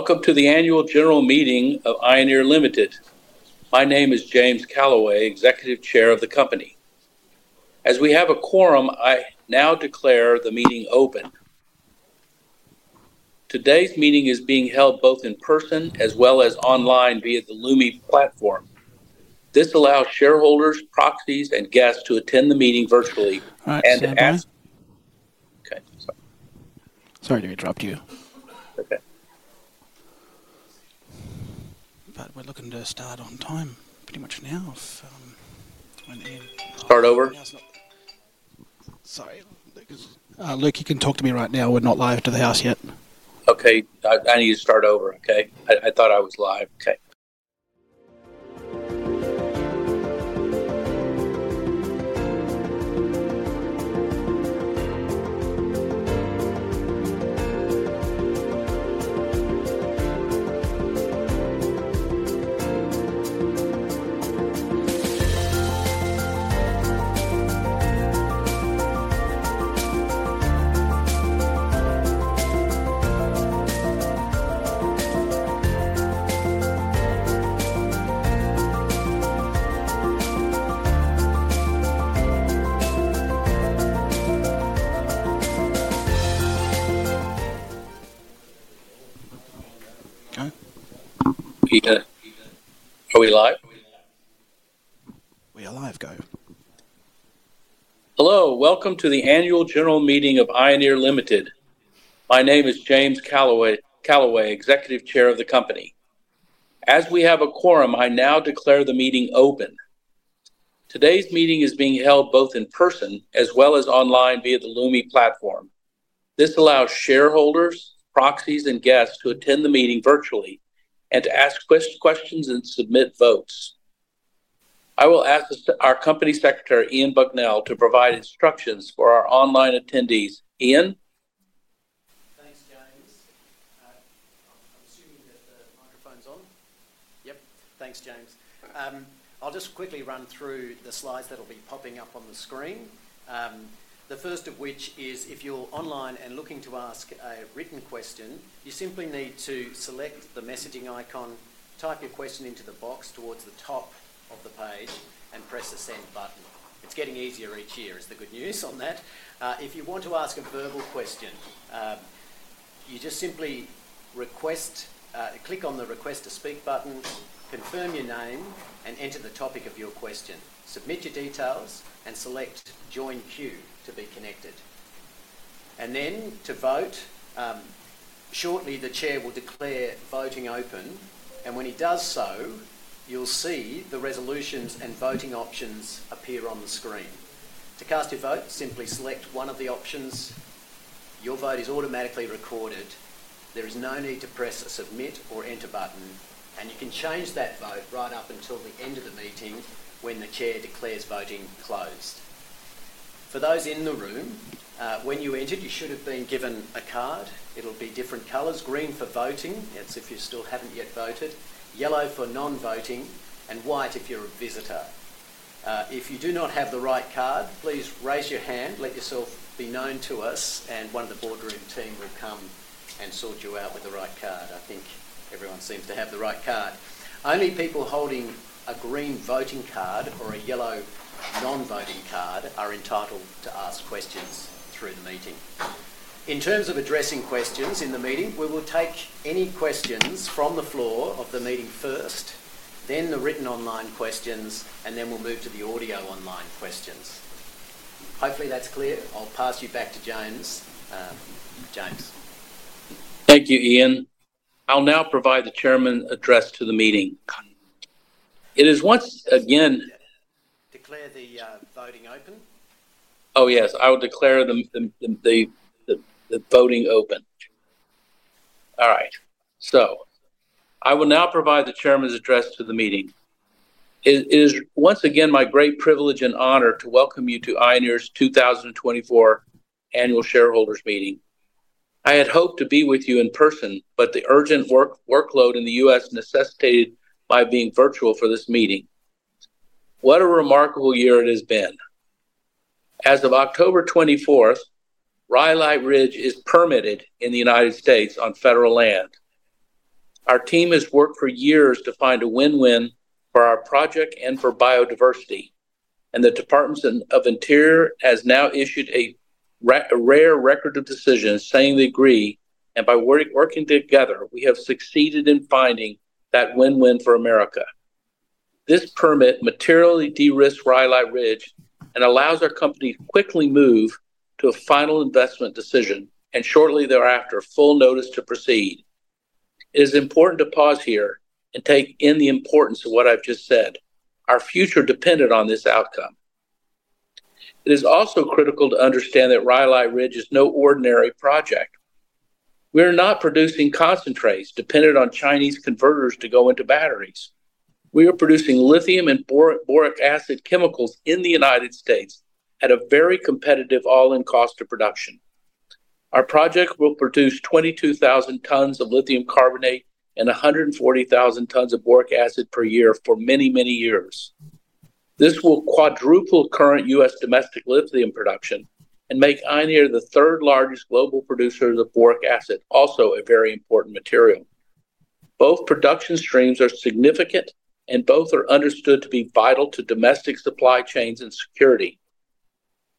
Welcome to the Annual General Meeting of Ioneer Limited. My name is James Calaway, Executive Chair of the company. As we have a quorum, I now declare the meeting open. Today's meeting is being held both in person as well as online via the Lumi platform. This allows shareholders, proxies, and guests to attend the meeting virtually and to ask— Sorry, I dropped you. Okay. But we're looking to start on time pretty much now. Start over? Sorry. Luke, you can talk to me right now. We're not live to the house yet. Okay. I need to start over, okay? I thought I was live. Okay. Okay. Peter, are we live? We are live. Go. Hello. Welcome to the annual general meeting of Ioneer Limited. My name is James Calaway, Executive Chair of the company. As we have a quorum, I now declare the meeting open. Today's meeting is being held both in person as well as online via the Lumi platform. This allows shareholders, proxies, and guests to attend the meeting virtually and to ask questions and submit votes. I will ask our company secretary, Ian Bucknell, to provide instructions for our online attendees. Ian? Thanks, James. I'm assuming that the microphone's on. Yep. Thanks, James. I'll just quickly run through the slides that'll be popping up on the screen. The first of which is, if you're online and looking to ask a written question, you simply need to select the messaging icon, type your question into the box towards the top of the page, and press the send button. It's getting easier each year, is the good news on that. If you want to ask a verbal question, you just simply click on the request to speak button, confirm your name, and enter the topic of your question. Submit your details and select join queue to be connected, and then to vote, shortly the chair will declare voting open, and when he does so, you'll see the resolutions and voting options appear on the screen. To cast your vote, simply select one of the options. Your vote is automatically recorded. There is no need to press a submit or enter button, and you can change that vote right up until the end of the meeting when the chair declares voting closed. For those in the room, when you entered, you should have been given a card. It'll be different colors: green for voting, that's if you still haven't yet voted. Yellow for non-voting, and white if you're a visitor. If you do not have the right card, please raise your hand. Let yourself be known to us, and one of the boardroom team will come and sort you out with the right card. I think everyone seems to have the right card. Only people holding a green voting card or a yellow non-voting card are entitled to ask questions through the meeting. In terms of addressing questions in the meeting, we will take any questions from the floor of the meeting first, then the written online questions, and then we'll move to the audio online questions. Hopefully, that's clear. I'll pass you back to James. James. Thank you, Ian. I'll now provide the Chairman's address to the meeting. It is once again. Declare the voting open. Oh, yes. I will declare the voting open. All right. So I will now provide the Chairman's address to the meeting. It is once again my great privilege and honor to welcome you to Ioneer's 2024 annual shareholders meeting. I had hoped to be with you in person, but the urgent workload in the U.S. necessitated my being virtual for this meeting. What a remarkable year it has been. As of October 24th, Rhyolite Ridge is permitted in the United States on federal land. Our team has worked for years to find a win-win for our project and for biodiversity. The Department of the Interior has now issued a rare Record of Decision saying they agree, and by working together, we have succeeded in finding that win-win for America. This permit materially de-risked Rhyolite Ridge and allows our company to quickly move to a final investment decision and shortly thereafter full notice to proceed. It is important to pause here and take in the importance of what I've just said. Our future depended on this outcome. It is also critical to understand that Rhyolite Ridge is no ordinary project. We are not producing concentrates dependent on Chinese converters to go into batteries. We are producing lithium and boric acid chemicals in the United States at a very competitive all-in cost of production. Our project will produce 22,000 tons of lithium carbonate and 140,000 tons of boric acid per year for many, many years. This will quadruple current U.S. domestic lithium production and make Ioneer the third largest global producer of boric acid, also a very important material. Both production streams are significant, and both are understood to be vital to domestic supply chains and security.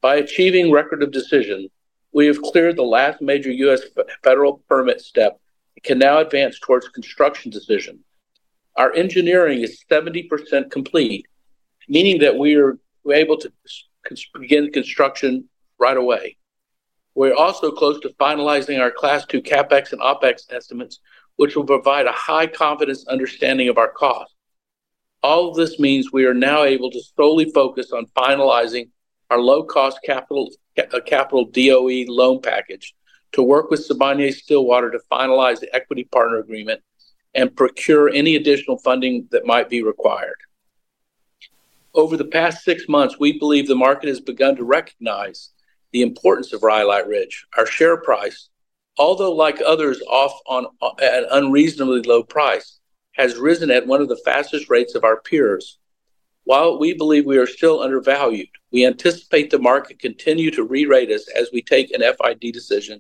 By achieving Record of Decision, we have cleared the last major U.S. federal permit step and can now advance towards construction decision. Our engineering is 70% complete, meaning that we are able to begin construction right away. We're also close to finalizing our Class 2 CapEx and OpEx estimates, which will provide a high-confidence understanding of our cost. All of this means we are now able to solely focus on finalizing our low-cost capital DOE loan package to work with Sibanye-Stillwater to finalize the equity partner agreement and procure any additional funding that might be required. Over the past six months, we believe the market has begun to recognize the importance of Rhyolite Ridge. Our share price, although like others off on an unreasonably low price, has risen at one of the fastest rates of our peers. While we believe we are still undervalued, we anticipate the market continues to re-rate us as we take an FID decision,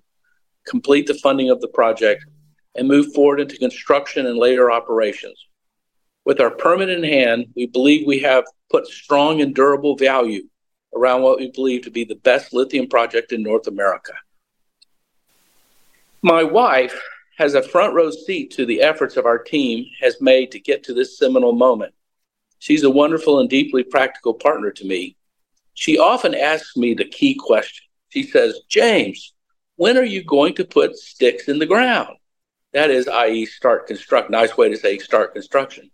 complete the funding of the project, and move forward into construction and later operations. With our permit in hand, we believe we have put strong and durable value around what we believe to be the best lithium project in North America. My wife has a front-row seat to the efforts of our team has made to get to this seminal moment. She's a wonderful and deeply practical partner to me. She often asks me the key question. She says, "James, when are you going to put sticks in the ground?" That is, i.e., start construction. Nice way to say start construction.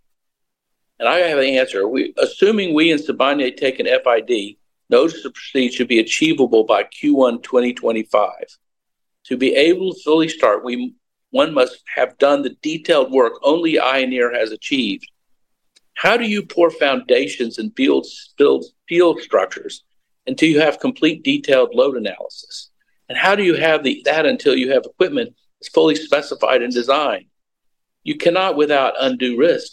And I have an answer. Assuming we and Sibanye take an FID, Notice to Proceed should be achievable by Q1 2025. To be able to fully start, one must have done the detailed work only Ioneer has achieved. How do you pour foundations and build field structures until you have complete detailed load analysis? And how do you have that until you have equipment fully specified and designed? You cannot without undue risk.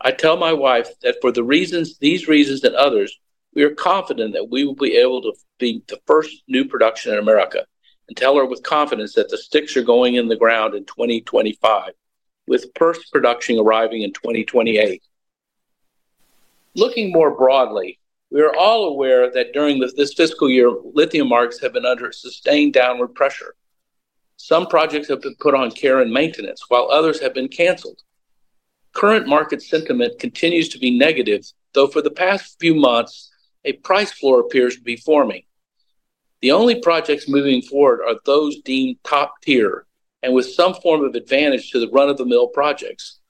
I tell my wife that for these reasons and others, we are confident that we will be able to be the first new production in America and tell her with confidence that the sticks are going in the ground in 2025, with first production arriving in 2028. Looking more broadly, we are all aware that during this fiscal year, lithium markets have been under sustained downward pressure. Some projects have been put on care and maintenance, while others have been canceled. Current market sentiment continues to be negative, though for the past few months, a price floor appears to be forming. The only projects moving forward are those deemed top tier and with some form of advantage to the run-of-the-mill projects.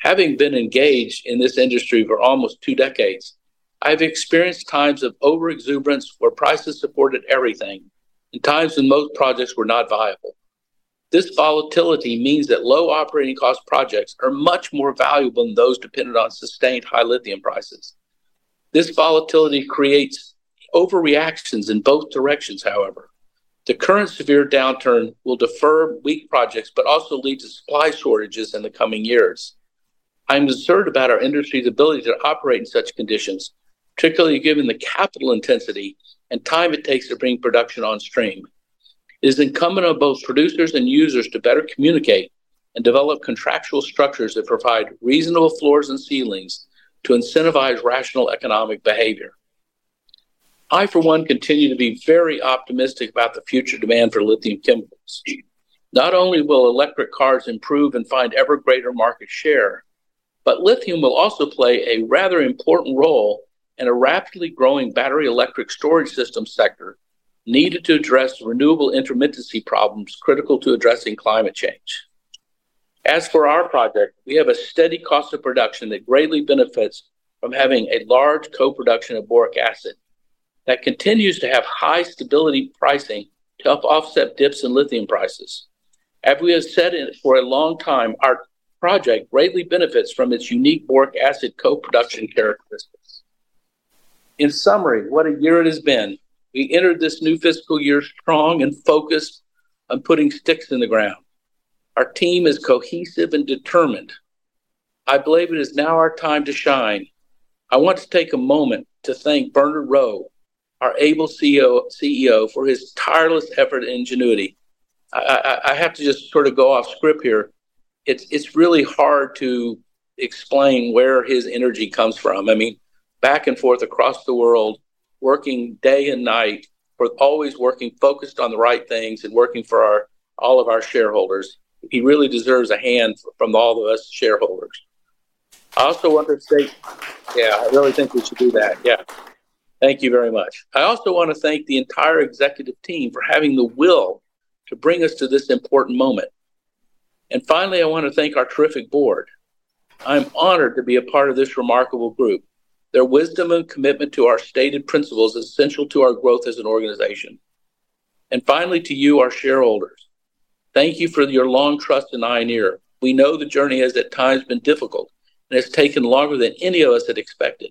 Having been engaged in this industry for almost two decades, I've experienced times of overexuberance where prices supported everything and times when most projects were not viable. This volatility means that low operating cost projects are much more valuable than those dependent on sustained high lithium prices. This volatility creates overreactions in both directions, however. The current severe downturn will defer weak projects but also lead to supply shortages in the coming years. I'm concerned about our industry's ability to operate in such conditions, particularly given the capital intensity and time it takes to bring production on stream. It is incumbent on both producers and users to better communicate and develop contractual structures that provide reasonable floors and ceilings to incentivize rational economic behavior. I, for one, continue to be very optimistic about the future demand for lithium chemicals. Not only will electric cars improve and find ever greater market share, but lithium will also play a rather important role in a rapidly growing battery electric storage system sector needed to address renewable intermittency problems critical to addressing climate change. As for our project, we have a steady cost of production that greatly benefits from having a large co-production of boric acid that continues to have high stability pricing to help offset dips in lithium prices. As we have said for a long time, our project greatly benefits from its unique boric acid co-production characteristics. In summary, what a year it has been. We entered this new fiscal year strong and focused on putting sticks in the ground. Our team is cohesive and determined. I believe it is now our time to shine. I want to take a moment to thank Bernard Rowe, our able CEO, for his tireless effort and ingenuity. I have to just sort of go off script here. It's really hard to explain where his energy comes from. I mean, back and forth across the world, working day and night, always working focused on the right things and working for all of our shareholders. He really deserves a hand from all of us shareholders. I also want to thank. Yeah, I really think we should do that. Yeah. Thank you very much. I also want to thank the entire executive team for having the will to bring us to this important moment. And finally, I want to thank our terrific board. I'm honored to be a part of this remarkable group. Their wisdom and commitment to our stated principles is essential to our growth as an organization. And finally, to you, our shareholders. Thank you for your long trust in Ioneer. We know the journey has at times been difficult, and it's taken longer than any of us had expected.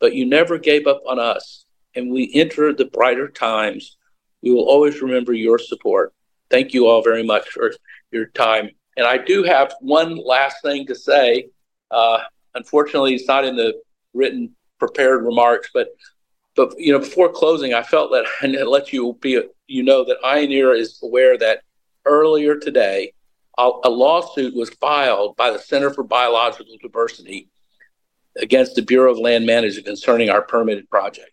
But you never gave up on us, and we enter the brighter times. We will always remember your support. Thank you all very much for your time. And I do have one last thing to say. Unfortunately, it's not in the written prepared remarks, but before closing, I felt that I'd let you know that Ioneer is aware that earlier today, a lawsuit was filed by the Center for Biological Diversity against the Bureau of Land Management concerning our permitted project.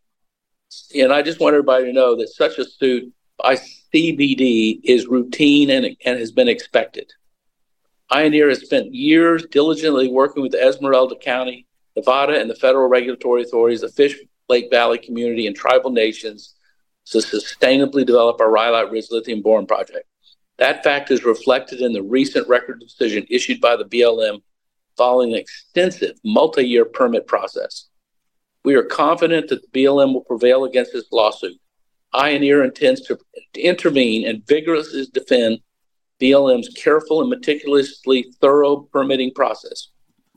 I just want everybody to know that such a suit by CBD is routine and has been expected. Ioneer has spent years diligently working with Esmeralda County, Nevada, and the federal regulatory authorities, the Fish Lake Valley community, and tribal nations to sustainably develop our Rhyolite Ridge lithium-boron project. That fact is reflected in the recent Record of Decision issued by the BLM following an extensive multi-year permit process. We are confident that the BLM will prevail against this lawsuit. Ioneer intends to intervene and vigorously defend BLM's careful and meticulously thorough permitting process.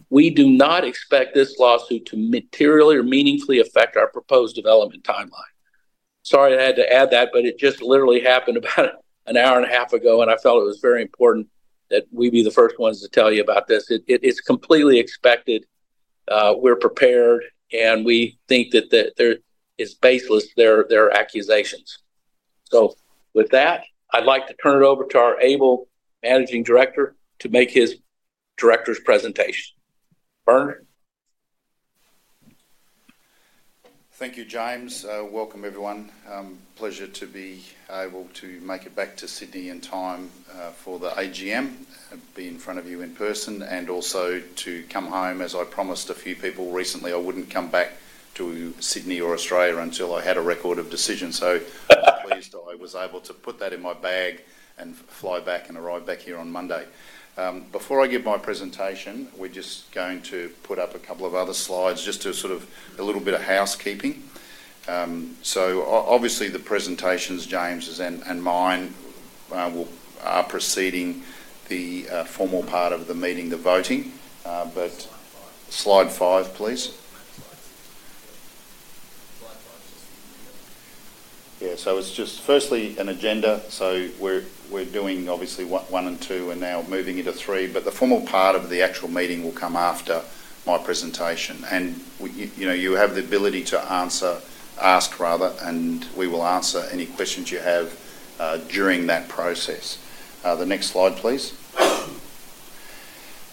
We do not expect this lawsuit to materially or meaningfully affect our proposed development timeline. Sorry, I had to add that, but it just literally happened about an hour and a half ago, and I felt it was very important that we be the first ones to tell you about this. It's completely expected. We're prepared, and we think that there is no basis to their accusations. So with that, I'd like to turn it over to our able Managing Director to make his director's presentation. Bernard. Thank you, James. Welcome, everyone. Pleasure to be able to make it back to Sydney in time for the AGM, be in front of you in person, and also to come home. As I promised a few people recently, I wouldn't come back to Sydney or Australia until I had a Record of Decision. So pleased, I was able to put that in my bag and fly back and arrive back here on Monday. Before I give my presentation, we're just going to put up a couple of other slides just to sort of a little bit of housekeeping. So obviously, the presentations, James, and mine are preceding the formal part of the meeting, the voting. But slide five, please. Yeah. So it's just firstly an agenda. So we're doing obviously one and two and now moving into three. The formal part of the actual meeting will come after my presentation. You have the ability to ask, rather, and we will answer any questions you have during that process. The next slide, please.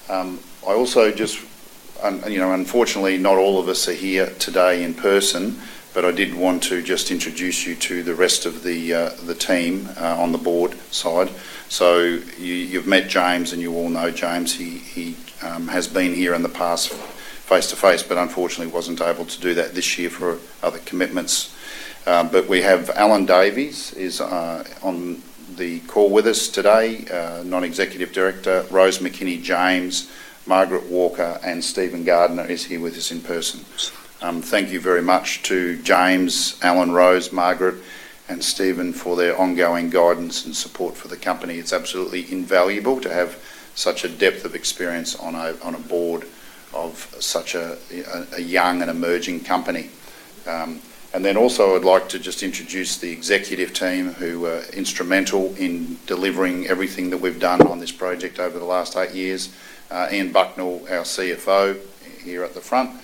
I also just, unfortunately, not all of us are here today in person, but I did want to just introduce you to the rest of the team on the board side. You've met James, and you all know James. He has been here in the past face-to-face, but unfortunately, wasn't able to do that this year for other commitments. We have Alan Davies on the call with us today, non-executive director, Rose McKinney-James, Margaret Walker, and Stephen Gardiner is here with us in person. Thank you very much to James, Alan, Rose, Margaret, and Stephen for their ongoing guidance and support for the company. It's absolutely invaluable to have such a depth of experience on a board of such a young and emerging company. And then also, I'd like to just introduce the executive team who were instrumental in delivering everything that we've done on this project over the last eight years. Ian Bucknell, our CFO here at the front.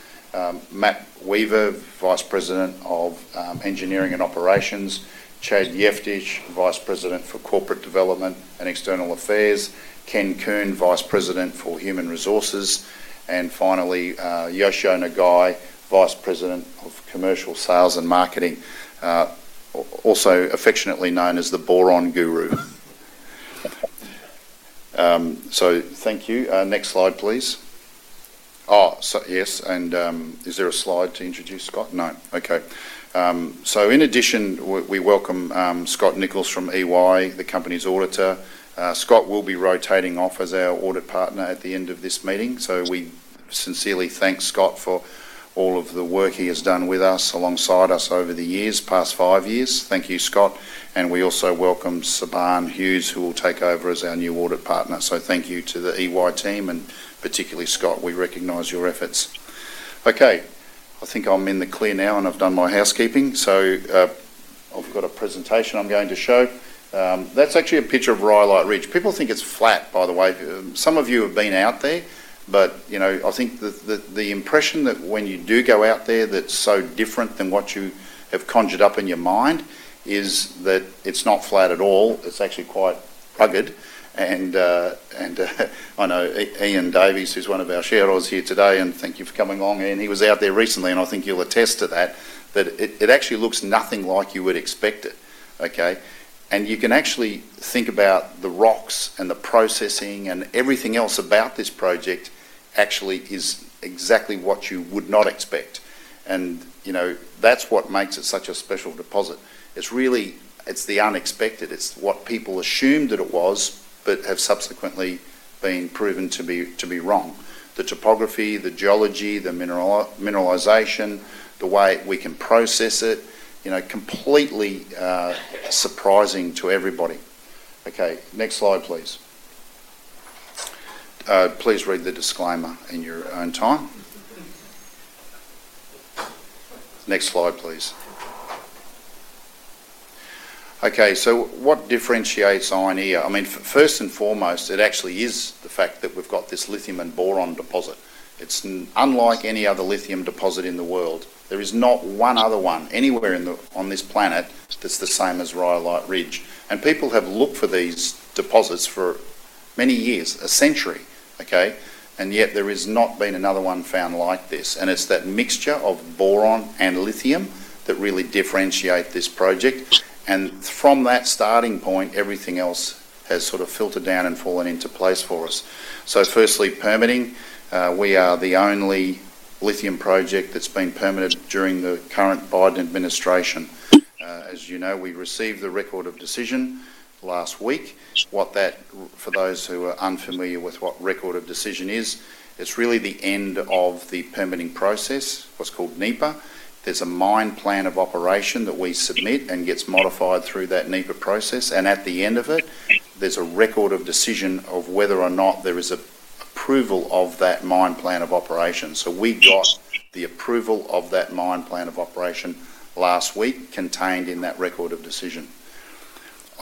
Matt Weaver, Vice President of Engineering and Operations. Chad Yeftich, Vice President for Corporate Development and External Affairs. Ken Coon, Vice President for Human Resources. And finally, Yoshio Nagai, Vice President of Commercial Sales and Marketing, also affectionately known as the Boron Guru. So thank you. Next slide, please. Oh, yes. And is there a slide to introduce Scott? No. Okay. So in addition, we welcome Scott Nichols from EY, the company's auditor. Scott will be rotating off as our audit partner at the end of this meeting. We sincerely thank Scott for all of the work he has done with us alongside us over the past five years. Thank you, Scott. And we also welcome Siobhan Hughes, who will take over as our new audit partner. So thank you to the EY team and particularly Scott. We recognize your efforts. Okay. I think I'm in the clear now, and I've done my housekeeping. So I've got a presentation I'm going to show. That's actually a picture of Rhyolite Ridge. People think it's flat, by the way. Some of you have been out there, but I think the impression that when you do go out there that's so different than what you have conjured up in your mind is that it's not flat at all. It's actually quite rugged. And I know Ian Davies, who's one of our shareholders here today, and thank you for coming along. And he was out there recently, and I think you'll attest to that, that it actually looks nothing like you would expect it. Okay? And you can actually think about the rocks and the processing and everything else about this project actually is exactly what you would not expect. And that's what makes it such a special deposit. It's really the unexpected. It's what people assumed that it was but have subsequently been proven to be wrong. The topography, the geology, the mineralization, the way we can process it, completely surprising to everybody. Okay. Next slide, please. Please read the disclaimer in your own time. Next slide, please. Okay. So what differentiates Ioneer? I mean, first and foremost, it actually is the fact that we've got this lithium and boron deposit. It's unlike any other lithium deposit in the world. There is not one other one anywhere on this planet that's the same as Rhyolite Ridge. And people have looked for these deposits for many years, a century. Okay? And yet there has not been another one found like this. And it's that mixture of boron and lithium that really differentiates this project. And from that starting point, everything else has sort of filtered down and fallen into place for us. So firstly, permitting. We are the only lithium project that's been permitted during the current Biden administration. As you know, we received the Record of Decision last week. For those who are unfamiliar with what Record of Decision is, it's really the end of the permitting process, what's called NEPA. There's a Mine Plan of Operation that we submit and gets modified through that NEPA process. At the end of it, there's a Record of Decision of whether or not there is approval of that Mine Plan of Operation. So we got the approval of that Mine Plan of Operation last week contained in that Record of Decision.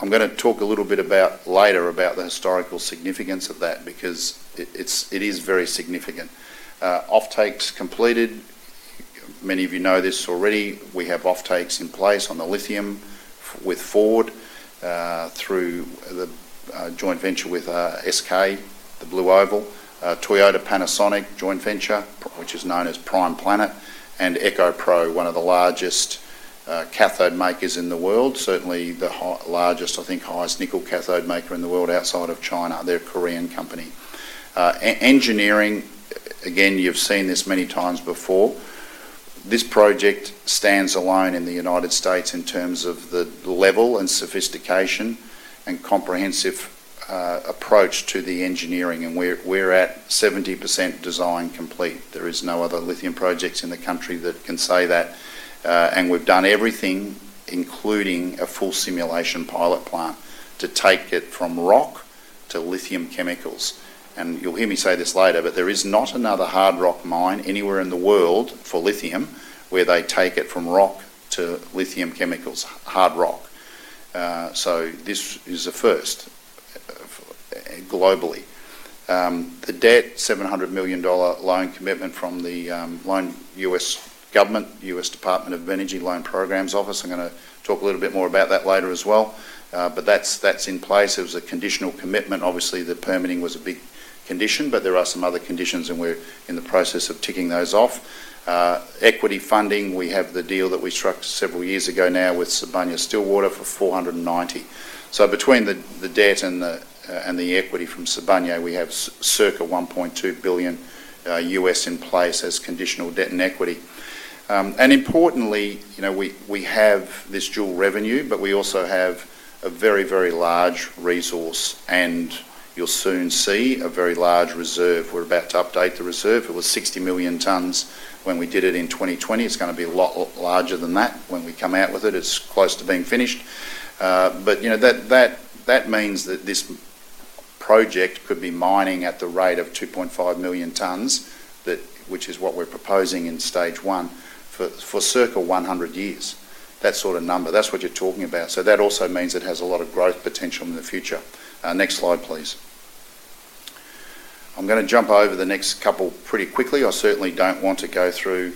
I'm going to talk a little bit later about the historical significance of that because it is very significant. Offtakes completed. Many of you know this already. We have offtakes in place on the lithium with Ford through the joint venture with SK, the Blue Oval, Toyota Panasonic joint venture, which is known as Prime Planet, and EcoPro, one of the largest cathode makers in the world, certainly the largest, I think, highest nickel cathode maker in the world outside of China. They're a Korean company. Engineering, again, you've seen this many times before. This project stands alone in the United States in terms of the level and sophistication and comprehensive approach to the engineering. And we're at 70% design complete. There are no other lithium projects in the country that can say that. And we've done everything, including a full simulation pilot plant, to take it from rock to lithium chemicals. And you'll hear me say this later, but there is not another hard rock mine anywhere in the world for lithium where they take it from rock to lithium chemicals, hard rock. So this is a first globally. The debt, $700 million loan commitment from the U.S. government, U.S. Department of Energy Loan Programs Office. I'm going to talk a little bit more about that later as well. But that's in place. It was a conditional commitment. Obviously, the permitting was a big condition, but there are some other conditions, and we're in the process of ticking those off. Equity funding. We have the deal that we struck several years ago now with Sibanye-Stillwater for $490 million. So between the debt and the equity from Sibanye-Stillwater, we have circa $1.2 billion in place as conditional debt and equity. And importantly, we have this dual revenue, but we also have a very, very large resource, and you'll soon see a very large reserve. We're about to update the reserve. It was 60 million tons when we did it in 2020. It's going to be a lot larger than that when we come out with it. It's close to being finished. But that means that this project could be mining at the rate of 2.5 million tons, which is what we're proposing in stage one for circa 100 years. That sort of number. That's what you're talking about. So that also means it has a lot of growth potential in the future. Next slide, please. I'm going to jump over the next couple pretty quickly. I certainly don't want to go through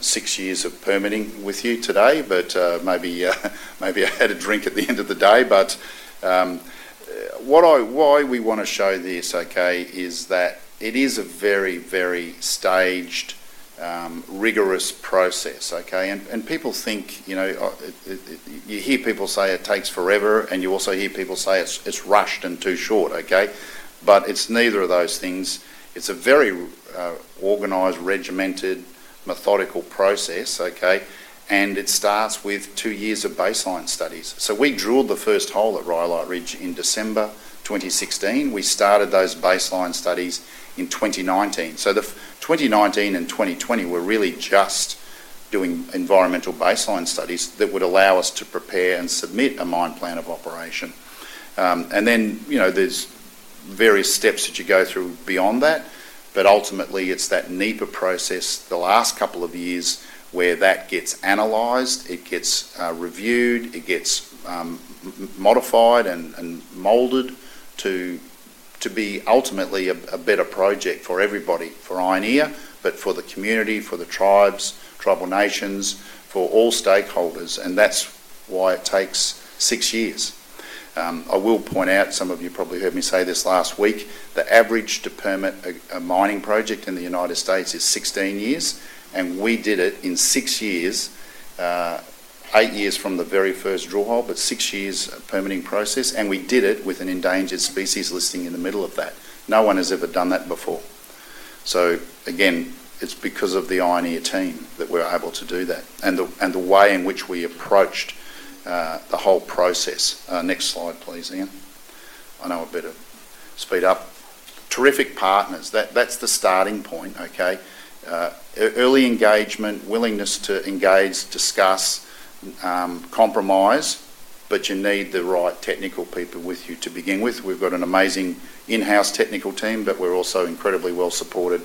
six years of permitting with you today, but maybe I had a drink at the end of the day. But why we want to show this, okay, is that it is a very, very staged, rigorous process. Okay? And people think you hear people say it takes forever, and you also hear people say it's rushed and too short. Okay? But it's neither of those things. It's a very organized, regimented, methodical process. Okay? And it starts with two years of baseline studies. So we drilled the first hole at Rhyolite Ridge in December 2016. We started those baseline studies in 2019. So 2019 and 2020 were really just doing environmental baseline studies that would allow us to prepare and submit a mine plan of operation. And then there's various steps that you go through beyond that. But ultimately, it's that NEPA process the last couple of years where that gets analyzed, it gets reviewed, it gets modified and molded to be ultimately a better project for everybody, for Ioneer, but for the community, for the tribes, tribal nations, for all stakeholders. And that's why it takes six years. I will point out some of you probably heard me say this last week. The average to permit a mining project in the United States is 16 years. We did it in six years, eight years from the very first drill hole, but six years of permitting process, and we did it with an endangered species listing in the middle of that. No one has ever done that before. So again, it's because of the Ioneer team that we're able to do that and the way in which we approached the whole process. Next slide, please, Ian. I know I better speed up. Terrific partners. That's the starting point. Okay? Early engagement, willingness to engage, discuss, compromise, but you need the right technical people with you to begin with. We've got an amazing in-house technical team, but we're also incredibly well supported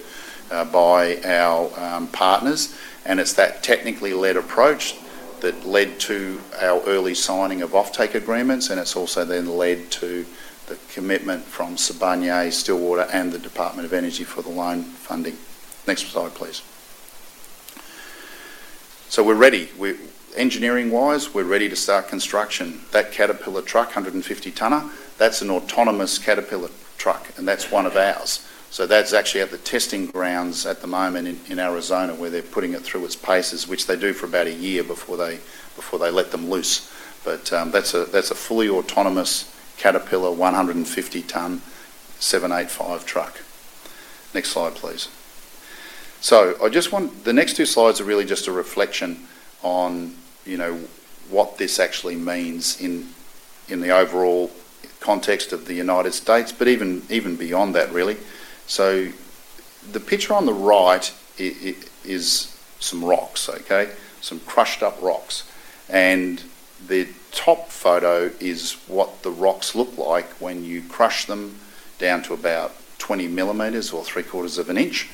by our partners, and it's that technically led approach that led to our early signing of offtake agreements. And it's also then led to the commitment from Sibanye-Stillwater and the Department of Energy for the loan funding. Next slide, please. So we're ready. Engineering-wise, we're ready to start construction. That Caterpillar truck, 150 tonner, that's an autonomous Caterpillar truck, and that's one of ours. So that's actually at the testing grounds at the moment in Arizona where they're putting it through its paces, which they do for about a year before they let them loose. But that's a fully autonomous Caterpillar 150-ton 785 truck. Next slide, please. So the next two slides are really just a reflection on what this actually means in the overall context of the United States, but even beyond that, really. So the picture on the right is some rocks. Okay? Some crushed-up rocks. The top photo is what the rocks look like when you crush them down to about 20 millimeters or three-quarters of an inch.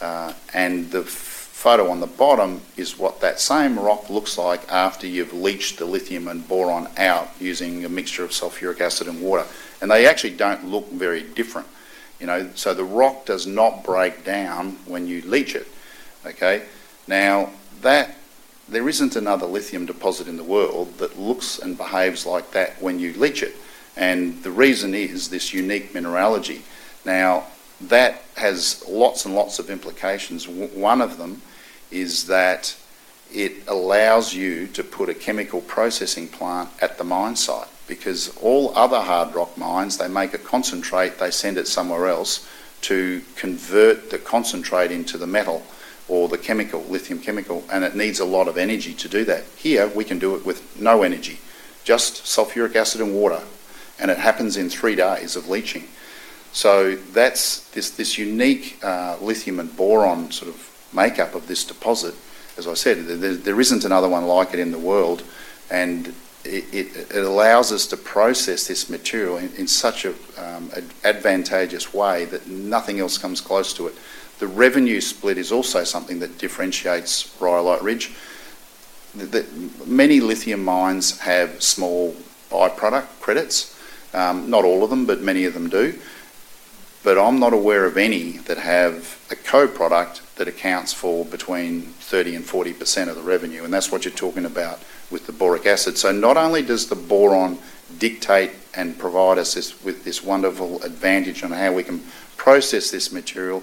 The photo on the bottom is what that same rock looks like after you've leached the lithium and boron out using a mixture of sulfuric acid and water. They actually don't look very different. The rock does not break down when you leach it. Okay? Now, there isn't another lithium deposit in the world that looks and behaves like that when you leach it. The reason is this unique mineralogy now. That has lots and lots of implications. One of them is that it allows you to put a chemical processing plant at the mine site because all other hard rock mines, they make a concentrate, they send it somewhere else to convert the concentrate into the metal or the lithium chemical. It needs a lot of energy to do that. Here, we can do it with no energy, just sulfuric acid and water. It happens in three days of leaching. This unique lithium and boron sort of makeup of this deposit, as I said, there isn't another one like it in the world. It allows us to process this material in such an advantageous way that nothing else comes close to it. The revenue split is also something that differentiates Rhyolite Ridge. Many lithium mines have small byproduct credits. Not all of them, but many of them do. I'm not aware of any that have a co-product that accounts for between 30% and 40% of the revenue. That's what you're talking about with the boric acid. So not only does the boron dictate and provide us with this wonderful advantage on how we can process this material,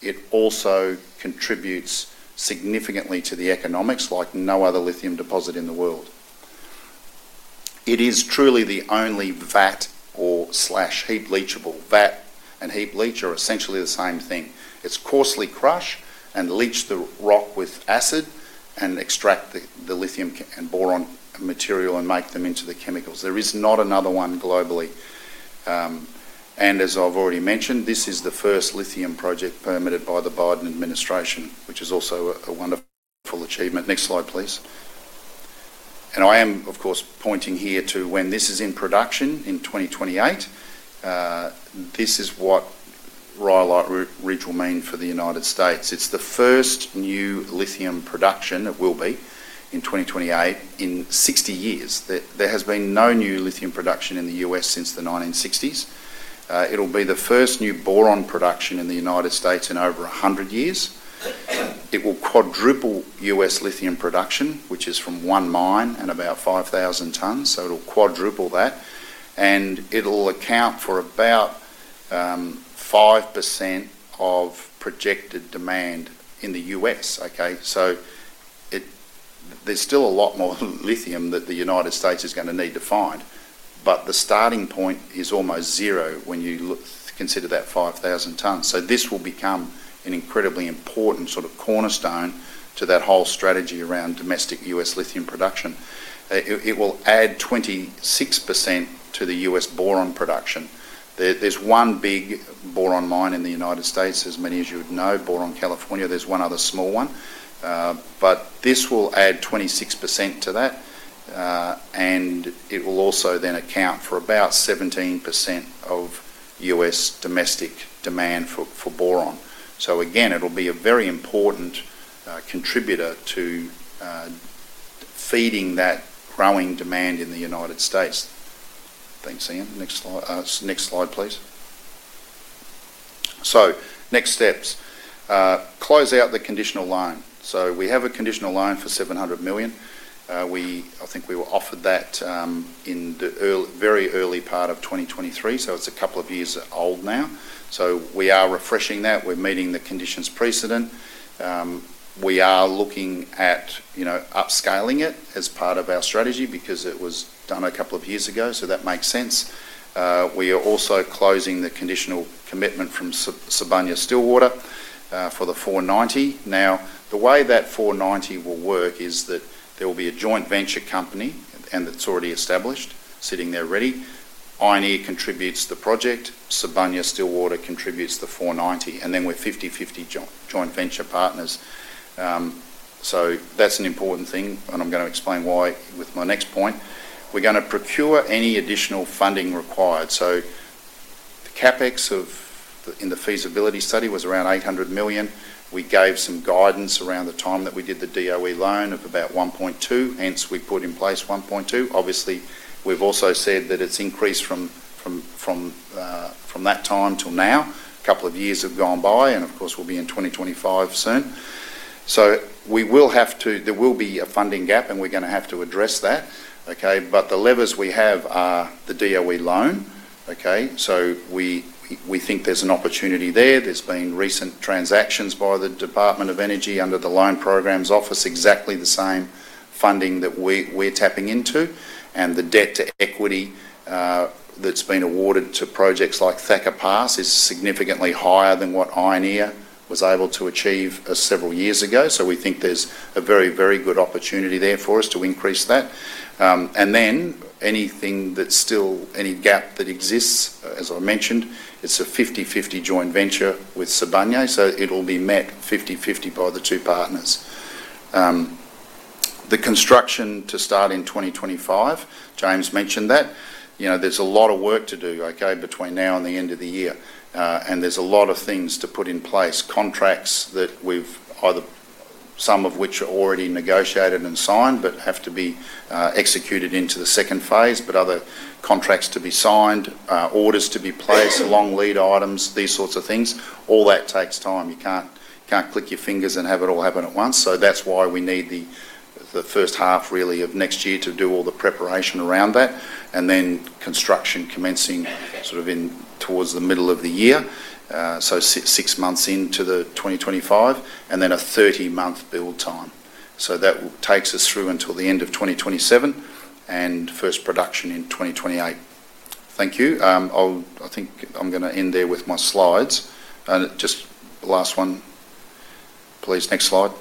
it also contributes significantly to the economics like no other lithium deposit in the world. It is truly the only vat leach or slash heap leachable. Vat leach and heap leach are essentially the same thing. It's coarsely crushed and leach the rock with acid and extract the lithium and boron material and make them into the chemicals. There is not another one globally. And as I've already mentioned, this is the first lithium project permitted by the Biden administration, which is also a wonderful achievement. Next slide, please. And I am, of course, pointing here to when this is in production in 2028. This is what Rhyolite Ridge will mean for the United States. It's the first new lithium production that will be in 2028 in 60 years. There has been no new lithium production in the U.S. since the 1960s. It'll be the first new boron production in the United States in over 100 years. It will quadruple U.S. lithium production, which is from one mine and about 5,000 tons. So it'll quadruple that. And it'll account for about 5% of projected demand in the U.S. Okay? So there's still a lot more lithium that the United States is going to need to find. But the starting point is almost zero when you consider that 5,000 tons. So this will become an incredibly important sort of cornerstone to that whole strategy around domestic U.S. lithium production. It will add 26% to the U.S. boron production. There's one big boron mine in the United States, as many as you would know, Boron, California. There's one other small one. But this will add 26% to that. And it will also then account for about 17% of U.S. domestic demand for boron. So again, it'll be a very important contributor to feeding that growing demand in the United States. Thanks, Ian. Next slide, please. So next steps. Close out the conditional loan. So we have a conditional loan for $700 million. I think we were offered that in the very early part of 2023. So it's a couple of years old now. So we are refreshing that. We're meeting the conditions precedent. We are looking at upscaling it as part of our strategy because it was done a couple of years ago. So that makes sense. We are also closing the conditional commitment from Sibanye-Stillwater for the $490 million. Now, the way that $490 million will work is that there will be a joint venture company and that's already established, sitting there ready. Ioneer contributes the project. Sibanye-Stillwater contributes the $490 million. And then we're 50/50 joint venture partners. So that's an important thing. And I'm going to explain why with my next point. We're going to procure any additional funding required. So the CapEx in the feasibility study was around $800 million. We gave some guidance around the time that we did the DOE loan of about $1.2 billion. Hence, we put in place $1.2 billion. Obviously, we've also said that it's increased from that time till now. A couple of years have gone by. And of course, we'll be in 2025 soon. So there will be a funding gap, and we're going to have to address that. Okay? But the levers we have are the DOE loan. Okay? So we think there's an opportunity there. There's been recent transactions by the Department of Energy under the Loan Programs Office, exactly the same funding that we're tapping into. And the debt to equity that's been awarded to projects like Thacker Pass is significantly higher than what Ioneer was able to achieve several years ago. So we think there's a very, very good opportunity there for us to increase that. And then anything that's still any gap that exists, as I mentioned, it's a 50/50 joint venture with Sibanye-Stillwater. So it'll be met 50/50 by the two partners. The construction to start in 2025, James mentioned that. There's a lot of work to do, okay, between now and the end of the year. And there's a lot of things to put in place, contracts that we've either some of which are already negotiated and signed but have to be executed into the second phase, but other contracts to be signed, orders to be placed, long lead items, these sorts of things. All that takes time. You can't click your fingers and have it all happen at once. So that's why we need the first half, really, of next year to do all the preparation around that. And then construction commencing sort of towards the middle of the year, so six months into 2025, and then a 30-month build time. So that takes us through until the end of 2027 and first production in 2028. Thank you. I think I'm going to end there with my slides. Just last one, please. Next slide.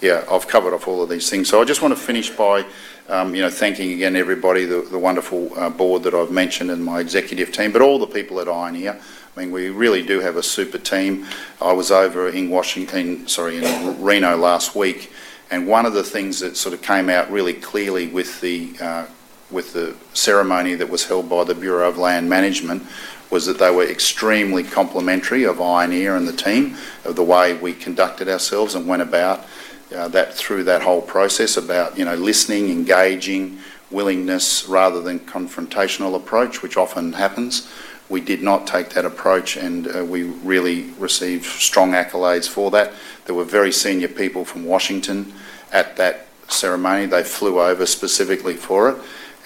Yeah. I've covered off all of these things. So I just want to finish by thanking again everybody, the wonderful board that I've mentioned and my executive team, but all the people at Ioneer. I mean, we really do have a super team. I was over in Washington, sorry, in Reno last week. And one of the things that sort of came out really clearly with the ceremony that was held by the Bureau of Land Management was that they were extremely complimentary of Ioneer and the team, of the way we conducted ourselves and went about that through that whole process about listening, engaging, willingness rather than confrontational approach, which often happens. We did not take that approach, and we really received strong accolades for that. There were very senior people from Washington at that ceremony. They flew over specifically for it.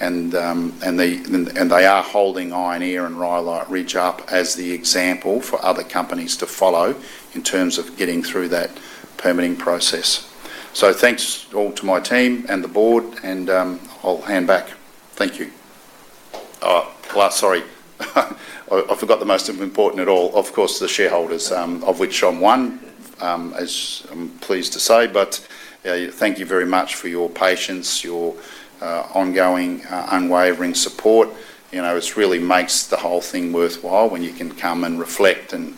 And they are holding Ioneer and Rhyolite Ridge up as the example for other companies to follow in terms of getting through that permitting process. So thanks all to my team and the board, and I'll hand back. Thank you. Sorry. I forgot the most important of all, of course, the shareholders, of which I'm one, as I'm pleased to say. But thank you very much for your patience, your ongoing unwavering support. It really makes the whole thing worthwhile when you can come and reflect and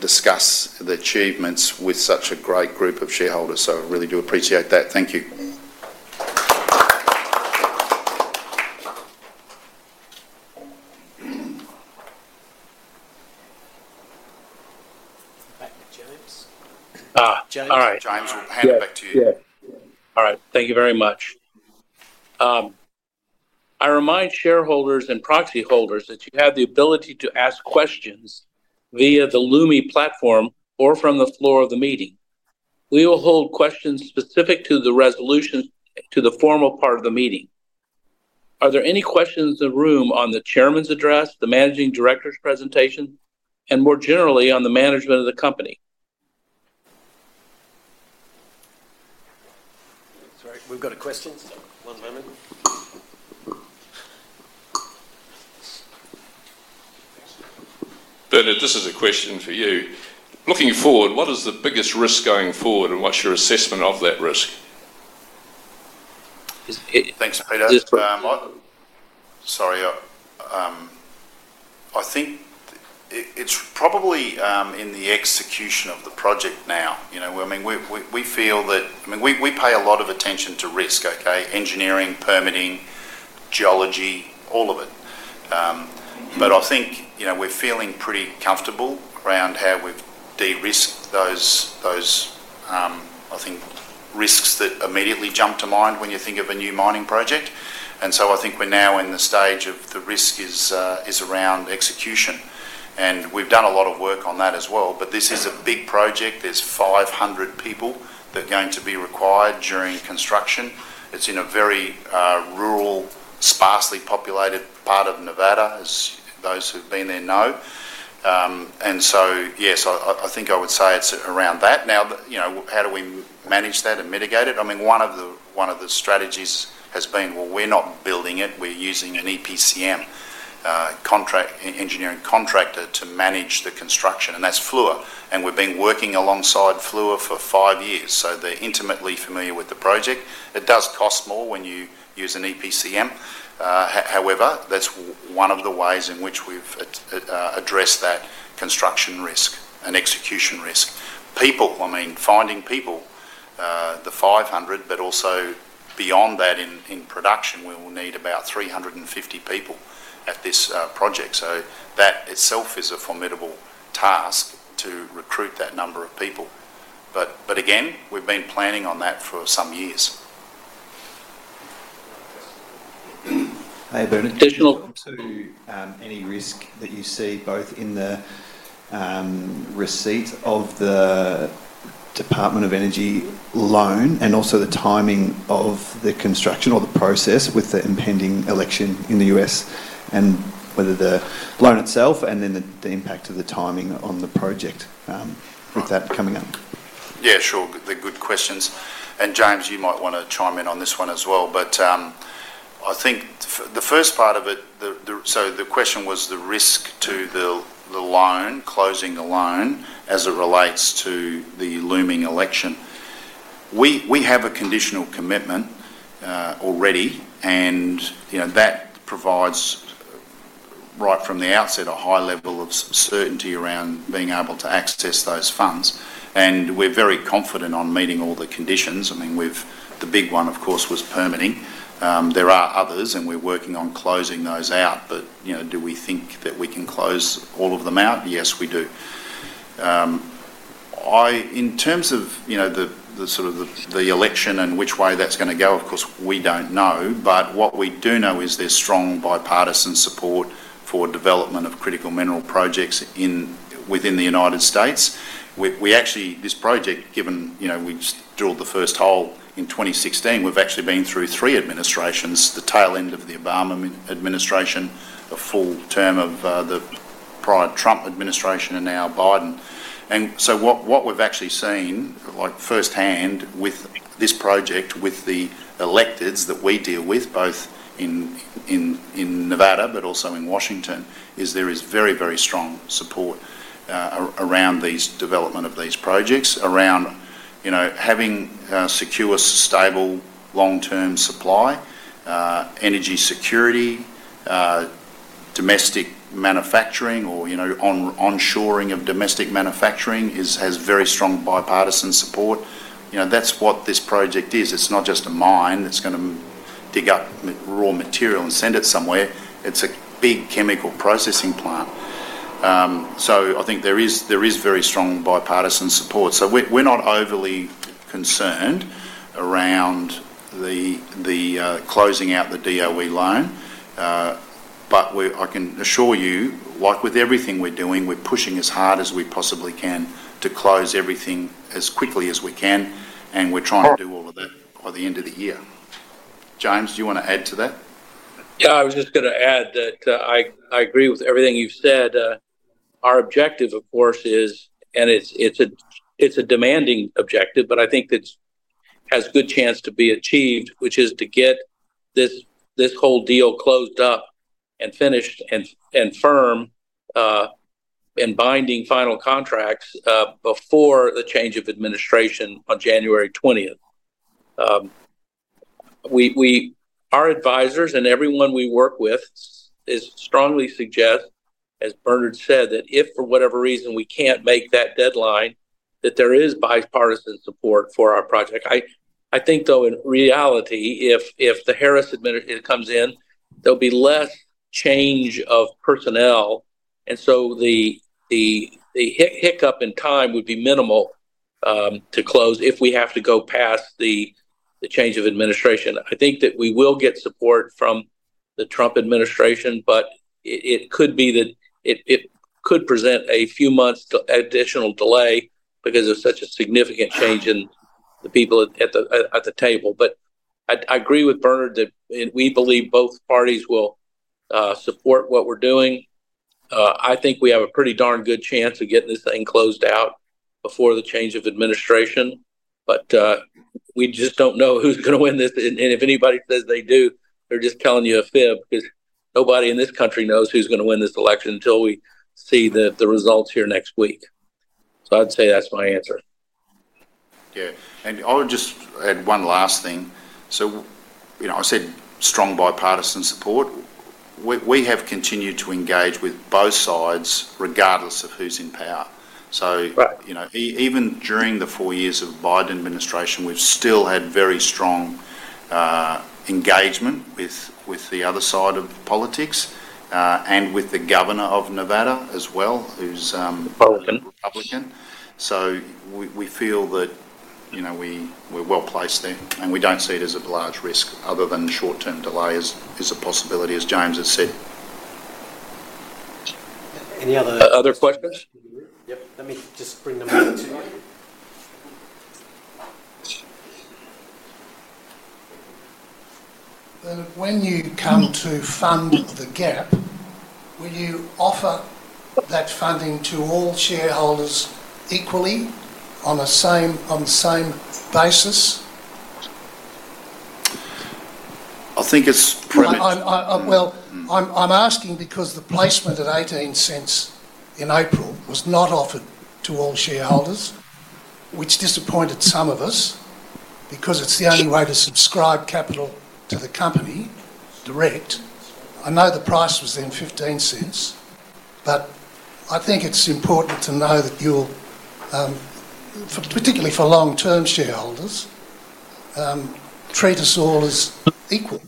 discuss the achievements with such a great group of shareholders. So I really do appreciate that. Thank you. Back to James. All right. James will hand it back to you. Yeah. All right. Thank you very much. I remind shareholders and proxy holders that you have the ability to ask questions via the Lumi platform or from the floor of the meeting. We will hold questions specific to the resolution to the formal part of the meeting. Are there any questions in the room on the chairman's address, the managing director's presentation, and more generally on the management of the company? Sorry. We've got a question. One moment. This is a question for you. Looking forward, what is the biggest risk going forward, and what's your assessment of that risk? Thanks, Peter. Sorry. I think it's probably in the execution of the project now. I mean, we feel that I mean, we pay a lot of attention to risk, okay, engineering, permitting, geology, all of it. But I think we're feeling pretty comfortable around how we've de-risked those, I think, risks that immediately jump to mind when you think of a new mining project. And so I think we're now in the stage of the risk is around execution. And we've done a lot of work on that as well. But this is a big project. There's 500 people that are going to be required during construction. It's in a very rural, sparsely populated part of Nevada, as those who've been there know. And so, yes, I think I would say it's around that. Now, how do we manage that and mitigate it? I mean, one of the strategies has been, well, we're not building it. We're using an EPCM, engineering contractor, to manage the construction. And that's Fluor. And we've been working alongside Fluor for five years. So they're intimately familiar with the project. It does cost more when you use an EPCM. However, that's one of the ways in which we've addressed that construction risk and execution risk. People, I mean, finding people, the 500, but also beyond that in production, we will need about 350 people at this project. So that itself is a formidable task to recruit that number of people. But again, we've been planning on that for some years. Additional to any risk that you see both in the receipt of the Department of Energy loan and also the timing of the construction or the process with the impending election in the U.S. and whether the loan itself and then the impact of the timing on the project with that coming up. Yeah, sure. They're good questions. And James, you might want to chime in on this one as well. But I think the first part of it, so the question was the risk to the loan, closing the loan as it relates to the looming election. We have a conditional commitment already, and that provides, right from the outset, a high level of certainty around being able to access those funds, and we're very confident on meeting all the conditions. I mean, the big one, of course, was permitting. There are others, and we're working on closing those out, but do we think that we can close all of them out? Yes, we do. In terms of the sort of the election and which way that's going to go, of course, we don't know, but what we do know is there's strong bipartisan support for development of critical mineral projects within the United States. This project, given we just drilled the first hole in 2016, we've actually been through three administrations: the tail end of the Obama administration, a full term of the prior Trump administration, and now Biden. And so what we've actually seen firsthand with this project, with the electeds that we deal with, both in Nevada but also in Washington, is there is very, very strong support around the development of these projects, around having secure, stable, long-term supply, energy security, domestic manufacturing, or onshoring of domestic manufacturing has very strong bipartisan support. That's what this project is. It's not just a mine that's going to dig up raw material and send it somewhere. It's a big chemical processing plant. So I think there is very strong bipartisan support. So we're not overly concerned around the closing out the DOE loan. But I can assure you, like with everything we're doing, we're pushing as hard as we possibly can to close everything as quickly as we can. And we're trying to do all of that by the end of the year. James, do you want to add to that? Yeah. I was just going to add that I agree with everything you've said. Our objective, of course, is, and it's a demanding objective, but I think it has a good chance to be achieved, which is to get this whole deal closed up and finished and firm and binding final contracts before the change of administration on January 20th. Our advisors and everyone we work with strongly suggest, as Bernard said, that if for whatever reason we can't make that deadline, that there is bipartisan support for our project. I think, though, in reality, if the Harris comes in, there'll be less change of personnel. And so the hiccup in time would be minimal to close if we have to go past the change of administration. I think that we will get support from the Trump Administration, but it could be that it could present a few months' additional delay because of such a significant change in the people at the table. I agree with Bernard that we believe both parties will support what we're doing. I think we have a pretty darn good chance of getting this thing closed out before the change of administration. We just don't know who's going to win this. If anybody says they do, they're just telling you a fib because nobody in this country knows who's going to win this election until we see the results here next week. I'd say that's my answer. Yeah. I'll just add one last thing. I said strong bipartisan support. We have continued to engage with both sides regardless of who's in power. So even during the four years of Biden administration, we've still had very strong engagement with the other side of politics and with the governor of Nevada as well, who's Republican. So we feel that we're well placed there, and we don't see it as a large risk other than short-term delay is a possibility, as James has said. Any other questions? Yep. Let me just bring them over to you. When you come to fund the gap, will you offer that funding to all shareholders equally on the same basis? I think it's pretty. Well, I'm asking because the placement at 0.18 in April was not offered to all shareholders, which disappointed some of us because it's the only way to subscribe capital to the company direct. I know the price was then 0.15, but I think it's important to know that you'll, particularly for long-term shareholders, treat us all as equal.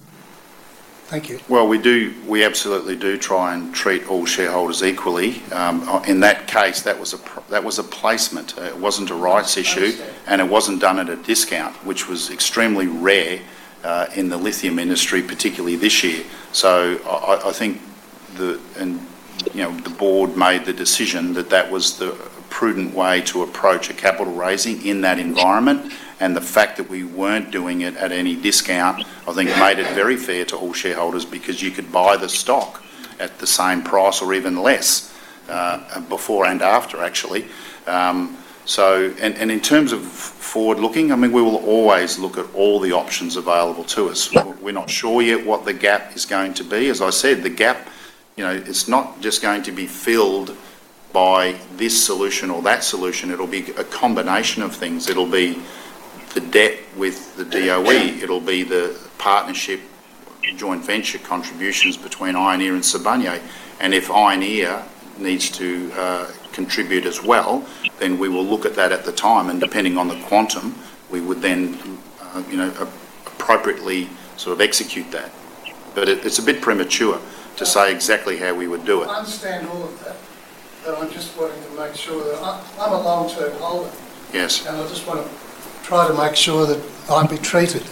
Thank you. Well, we absolutely do try and treat all shareholders equally. In that case, that was a placement. It wasn't a rights issue, and it wasn't done at a discount, which was extremely rare in the lithium industry, particularly this year. So I think the board made the decision that that was the prudent way to approach a capital raising in that environment. And the fact that we weren't doing it at any discount, I think, made it very fair to all shareholders because you could buy the stock at the same price or even less before and after, actually. And in terms of forward-looking, I mean, we will always look at all the options available to us. We're not sure yet what the gap is going to be. As I said, the gap, it's not just going to be filled by this solution or that solution. It'll be a combination of things. It'll be the debt with the DOE. It'll be the partnership, joint venture contributions between Ioneer and Sibanye. And if Ioneer needs to contribute as well, then we will look at that at the time. And depending on the quantum, we would then appropriately sort of execute that. But it's a bit premature to say exactly how we would do it. I understand all of that. But I'm just wanting to make sure that I'm a long-term holder. And I just want to try to make sure that I'm treated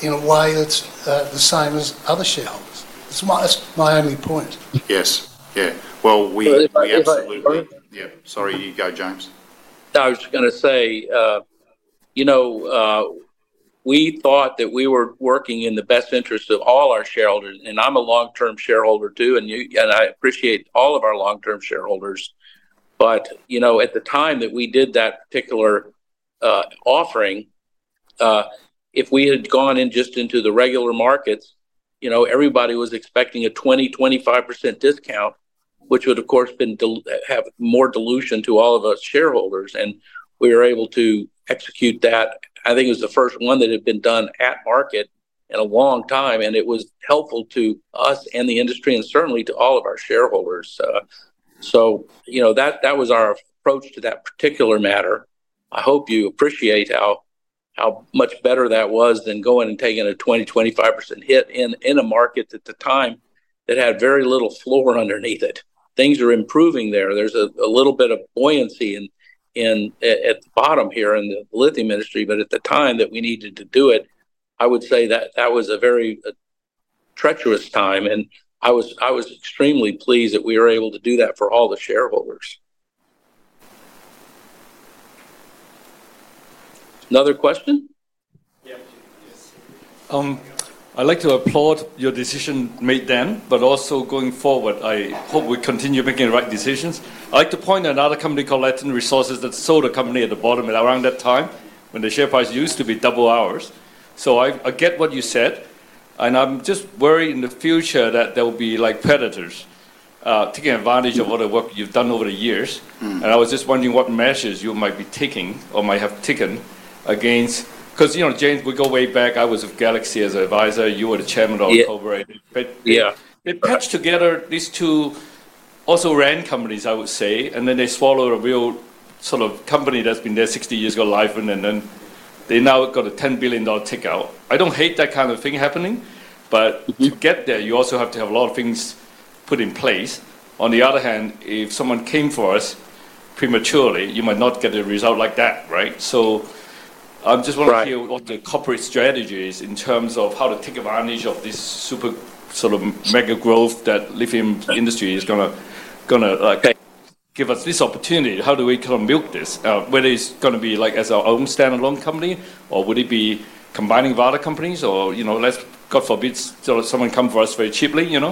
in a way that's the same as other shareholders. That's my only point. Yes. Yeah. Well, we absolutely. Yeah. Sorry. You go, James. I was going to say we thought that we were working in the best interest of all our shareholders. And I'm a long-term shareholder too. And I appreciate all of our long-term shareholders. But at the time that we did that particular offering, if we had gone in just into the regular markets, everybody was expecting a 20%-25% discount, which would, of course, have more dilution to all of us shareholders. And we were able to execute that. I think it was the first one that had been done at market in a long time. And it was helpful to us and the industry and certainly to all of our shareholders. So that was our approach to that particular matter. I hope you appreciate how much better that was than going and taking a 20%-25% hit in a market at the time that had very little floor underneath it. Things are improving there. There's a little bit of buoyancy at the bottom here in the lithium industry. But at the time that we needed to do it, I would say that was a very treacherous time. And I was extremely pleased that we were able to do that for all the shareholders. Another question? Yeah. I'd like to applaud your decision made then, but also going forward. I hope we continue making the right decisions. I'd like to point out another company called Latin Resources that sold a company at the bottom around that time when the share price used to be double ours. So I get what you said. I'm just worried in the future that there will be predators taking advantage of all the work you've done over the years. I was just wondering what measures you might be taking or might have taken against because, James, we go way back. I was with Galaxy as an advisor. You were the chairman of the corporation. They patched together these two also-ran companies, I would say, and then they swallowed a real sort of company that's been there 60 years ago, Livent. And then they now got a $10 billion takeout. I don't hate that kind of thing happening. But to get there, you also have to have a lot of things put in place. On the other hand, if someone came for us prematurely, you might not get a result like that, right? So I just want to hear what the corporate strategy is in terms of how to take advantage of this super sort of mega growth that the lithium industry is going to give us, this opportunity. How do we kind of milk this? Whether it's going to be as our own standalone company, or would it be combining with other companies? Or let's God forbid someone come for us very cheaply. And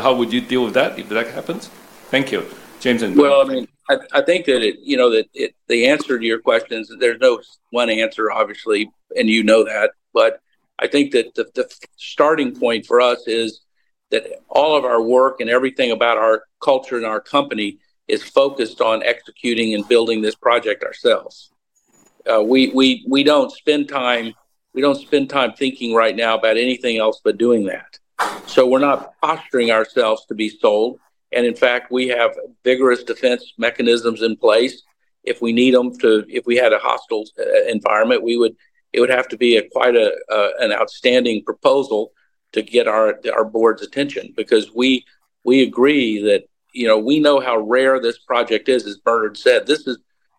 how would you deal with that if that happens? Thank you. James and. Well, I mean, I think that the answer to your question is there's no one answer, obviously, and you know that. But I think that the starting point for us is that all of our work and everything about our culture and our company is focused on executing and building this project ourselves. We don't spend time thinking right now about anything else but doing that. We're not posturing ourselves to be sold. And in fact, we have vigorous defense mechanisms in place. If we need them to, if we had a hostile environment, it would have to be quite an outstanding proposal to get our board's attention because we agree that we know how rare this project is, as Bernard said. This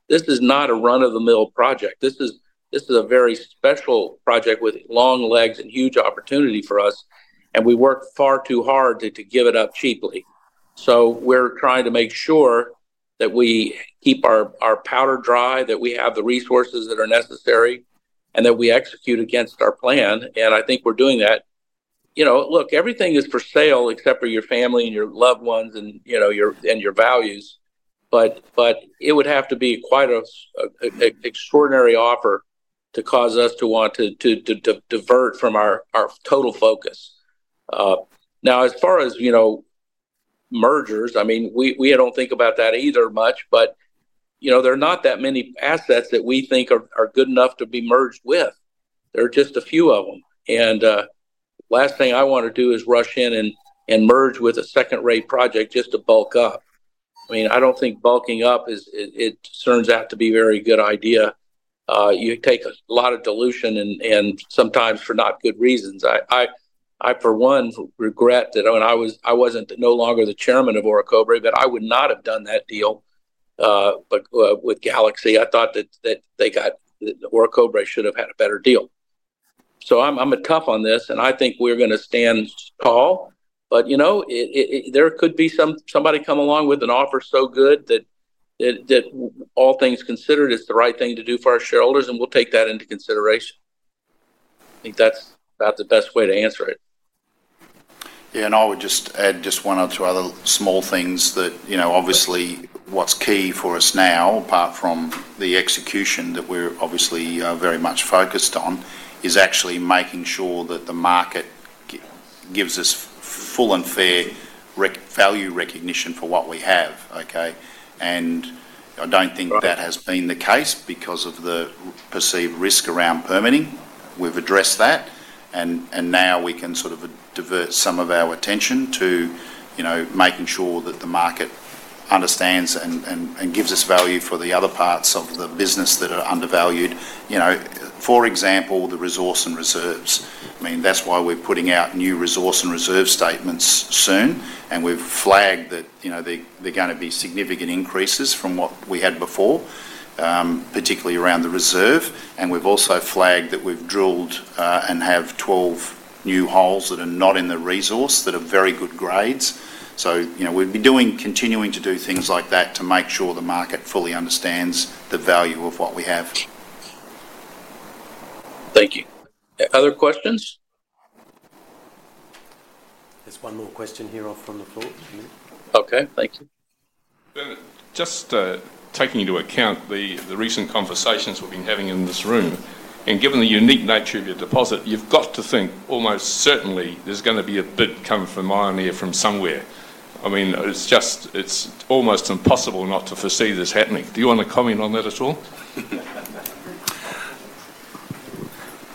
is not a run-of-the-mill project. This is a very special project with long legs and huge opportunity for us. And we work far too hard to give it up cheaply. So we're trying to make sure that we keep our powder dry, that we have the resources that are necessary, and that we execute against our plan. And I think we're doing that. Look, everything is for sale except for your family and your loved ones and your values. But it would have to be quite an extraordinary offer to cause us to want to divert from our total focus. Now, as far as mergers, I mean, we don't think about that either much. But there are not that many assets that we think are good enough to be merged with. There are just a few of them. And the last thing I want to do is rush in and merge with a second-rate project just to bulk up. I mean, I don't think bulking up, it turns out to be a very good idea. You take a lot of dilution and sometimes for not good reasons. I, for one, regret that I wasn't no longer the chairman of Orocobre, but I would not have done that deal with Galaxy. I thought that Orocobre should have had a better deal. So I'm a tough on this. I think we're going to stand tall. There could be somebody come along with an offer so good that, all things considered, it's the right thing to do for our shareholders, and we'll take that into consideration. I think that's about the best way to answer it. Yeah. I would just add just one or two other small things that, obviously, what's key for us now, apart from the execution that we're obviously very much focused on, is actually making sure that the market gives us full and fair value recognition for what we have, okay? I don't think that has been the case because of the perceived risk around permitting. We've addressed that. Now we can sort of divert some of our attention to making sure that the market understands and gives us value for the other parts of the business that are undervalued. For example, the resource and reserves. I mean, that's why we're putting out new resource and reserve statements soon. And we've flagged that there are going to be significant increases from what we had before, particularly around the reserve. And we've also flagged that we've drilled and have 12 new holes that are not in the resource that are very good grades. So we've been continuing to do things like that to make sure the market fully understands the value of what we have. Thank you. Other questions? There's one more question here from the floor. Okay. Thank you. Just taking into account the recent conversations we've been having in this room, and given the unique nature of your deposit, you've got to think almost certainly there's going to be a bid come from Ioneer from somewhere. I mean, it's almost impossible not to foresee this happening. Do you want to comment on that at all?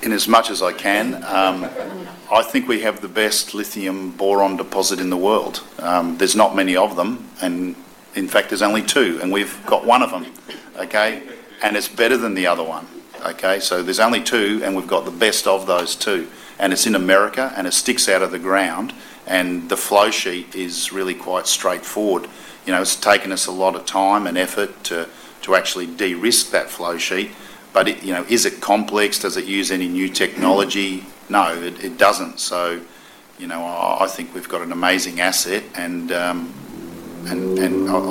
In as much as I can, I think we have the best lithium boron deposit in the world. There's not many of them. And in fact, there's only two. And we've got one of them, okay? And it's better than the other one, okay? So there's only two, and we've got the best of those two. And it's in America, and it sticks out of the ground. And the flow sheet is really quite straightforward. It's taken us a lot of time and effort to actually de-risk that flow sheet. But is it complex? Does it use any new technology? No, it doesn't. So I think we've got an amazing asset. And I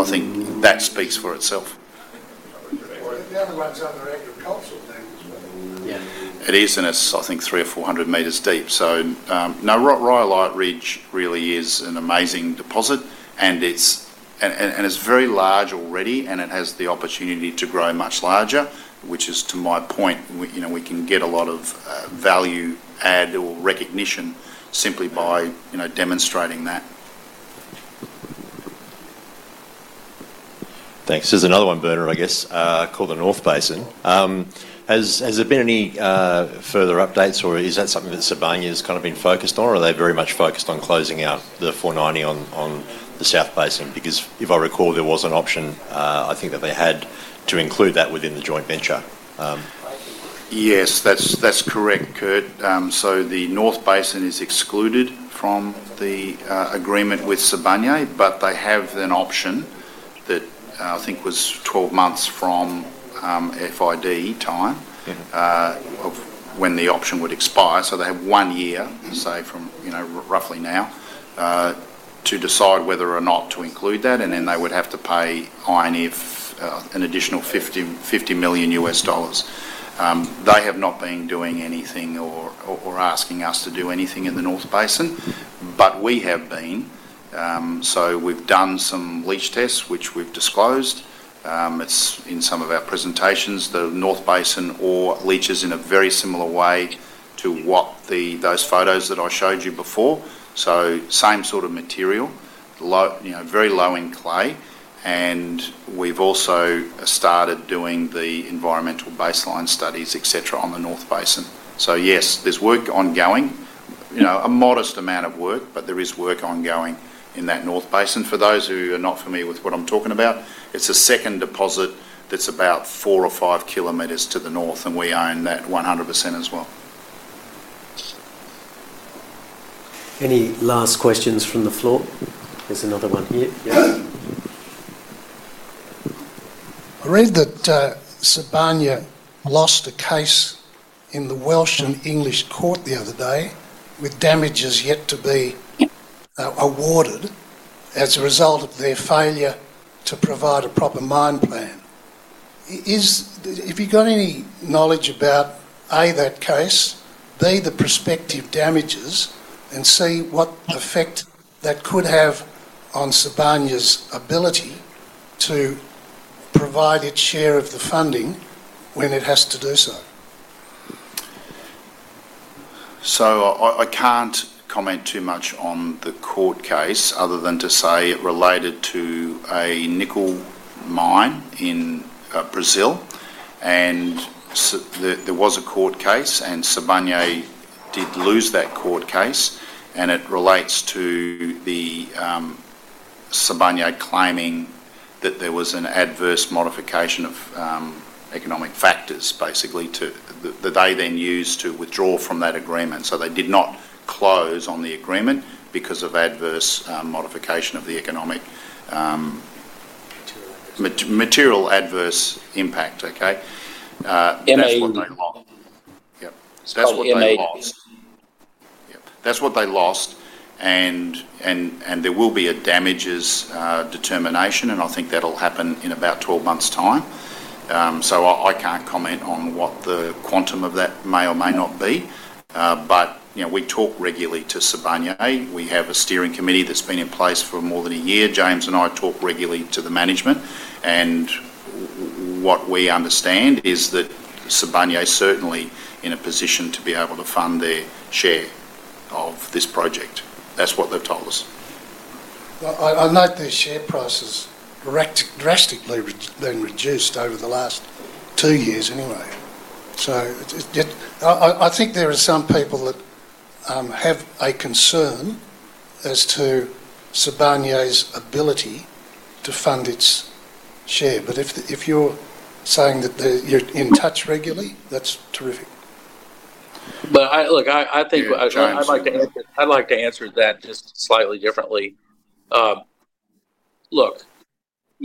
think that speaks for itself. The other one's on the agricultural thing as well. Yeah. It is, and it's, I think, three or four hundred meters deep. So, no, Rhyolite Ridge really is an amazing deposit. And it's very large already, and it has the opportunity to grow much larger, which is to my point, we can get a lot of value add or recognition simply by demonstrating that. Thanks. There's another one, Bernard, I guess, called the North Basin. Has there been any further updates, or is that something that Sibanye has kind of been focused on, or are they very much focused on closing out the JV on the South Basin? Because if I recall, there was an option, I think, that they had to include that within the joint venture. Yes, that's correct, Curt. So the North Basin is excluded from the agreement with Sibanye, but they have an option that I think was 12 months from FID time of when the option would expire. So they have one year, say, from roughly now to decide whether or not to include that. And then they would have to pay Ioneer an additional $50 million. They have not been doing anything or asking us to do anything in the North Basin, but we have been. So we've done some leach tests, which we've disclosed. It's in some of our presentations, the North Basin ore leaches in a very similar way to those photos that I showed you before. So same sort of material, very low in clay. And we've also started doing the environmental baseline studies, etc., on the North Basin. So yes, there's work ongoing. A modest amount of work, but there is work ongoing in that North Basin. For those who are not familiar with what I'm talking about, it's a second deposit that's about four or five kilometers to the north, and we own that 100% as well. Any last questions from the floor? There's another one here. I read that Sibanye-Stillwater lost a case in the Welsh and English court the other day with damages yet to be awarded as a result of their failure to provide a proper mine plan. Have you got any knowledge about, A, that case, B, the prospective damages, and C, what effect that could have on Sibanye-Stillwater's ability to provide its share of the funding when it has to do so? So I can't comment too much on the court case other than to say it related to a nickel mine in Brazil. And there was a court case, and Sibanye-Stillwater did lose that court case. And it relates to Sibanye claiming that there was an adverse modification of economic factors, basically, that they then used to withdraw from that agreement. So they did not close on the agreement because of adverse modification of the economic material adverse impact, okay? That's what they lost. Yeah. And there will be a damages determination, and I think that'll happen in about 12 months' time. So I can't comment on what the quantum of that may or may not be. But we talk regularly to Sibanye. We have a steering committee that's been in place for more than a year. James and I talk regularly to the management. And what we understand is that Sibanye is certainly in a position to be able to fund their share of this project. That's what they've told us. I note their share price has drastically been reduced over the last two years anyway. So I think there are some people that have a concern as to Sibanye's ability to fund its share. But if you're saying that you're in touch regularly, that's terrific. Look, I think I'd like to answer that just slightly differently. Look,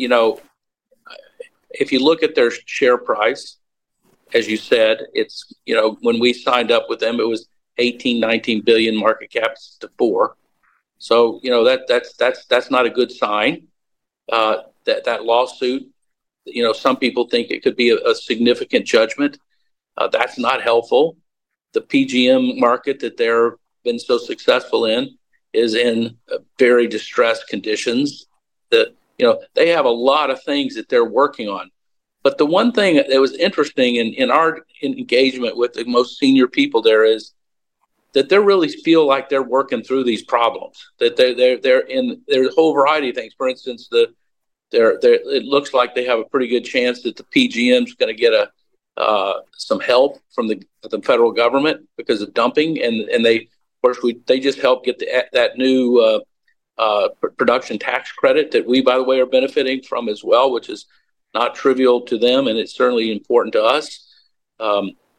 if you look at their share price, as you said, when we signed up with them, it was $18-19 billion market cap to $4 billion. So that's not a good sign. That lawsuit, some people think it could be a significant judgment. That's not helpful. The PGM market that they've been so successful in is in very distressed conditions. They have a lot of things that they're working on. But the one thing that was interesting in our engagement with the most senior people there is that they really feel like they're working through these problems. There's a whole variety of things. For instance, it looks like they have a pretty good chance that the PGM's going to get some help from the federal government because of dumping, and of course, they just help get that new Production Tax Credit that we, by the way, are benefiting from as well, which is not trivial to them, and it's certainly important to us,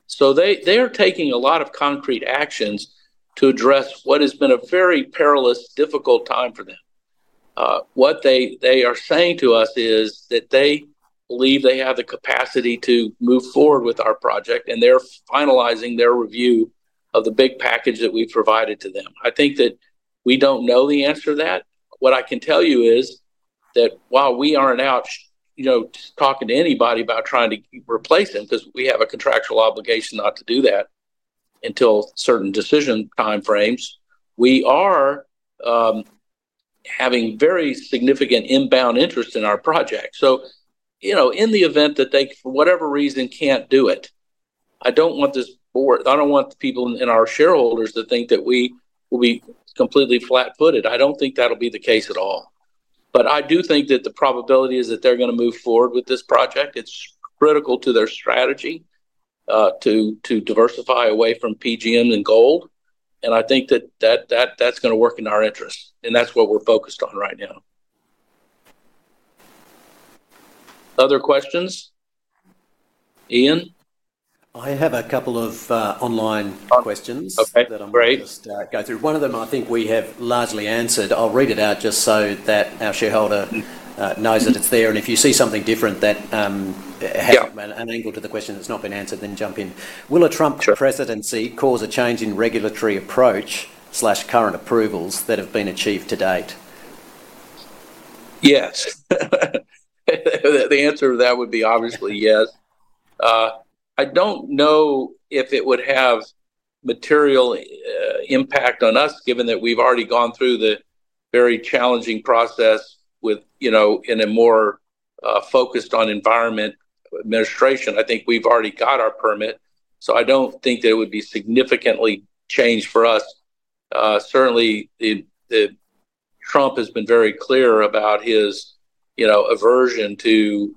so they are taking a lot of concrete actions to address what has been a very perilous, difficult time for them. What they are saying to us is that they believe they have the capacity to move forward with our project, and they're finalizing their review of the big package that we've provided to them. I think that we don't know the answer to that. What I can tell you is that while we aren't out talking to anybody about trying to replace them because we have a contractual obligation not to do that until certain decision time frames, we are having very significant inbound interest in our project. So in the event that they, for whatever reason, can't do it, I don't want the people in our shareholders to think that we will be completely flat-footed. I don't think that'll be the case at all. But I do think that the probability is that they're going to move forward with this project. It's critical to their strategy to diversify away from PGM and gold. And I think that that's going to work in our interest. And that's what we're focused on right now. Other questions? Ian? I have a couple of online questions that I'm going to just go through. One of them I think we have largely answered. I'll read it out just so that our shareholder knows that it's there. If you see something different that has an angle to the question that's not been answered, then jump in. Will a Trump presidency cause a change in regulatory approach/current approvals that have been achieved to date? Yes. The answer to that would be obviously yes. I don't know if it would have material impact on us, given that we've already gone through the very challenging process in a more environmentally focused administration. I think we've already got our permit, so I don't think that it would be significantly changed for us. Certainly, Trump has been very clear about his aversion to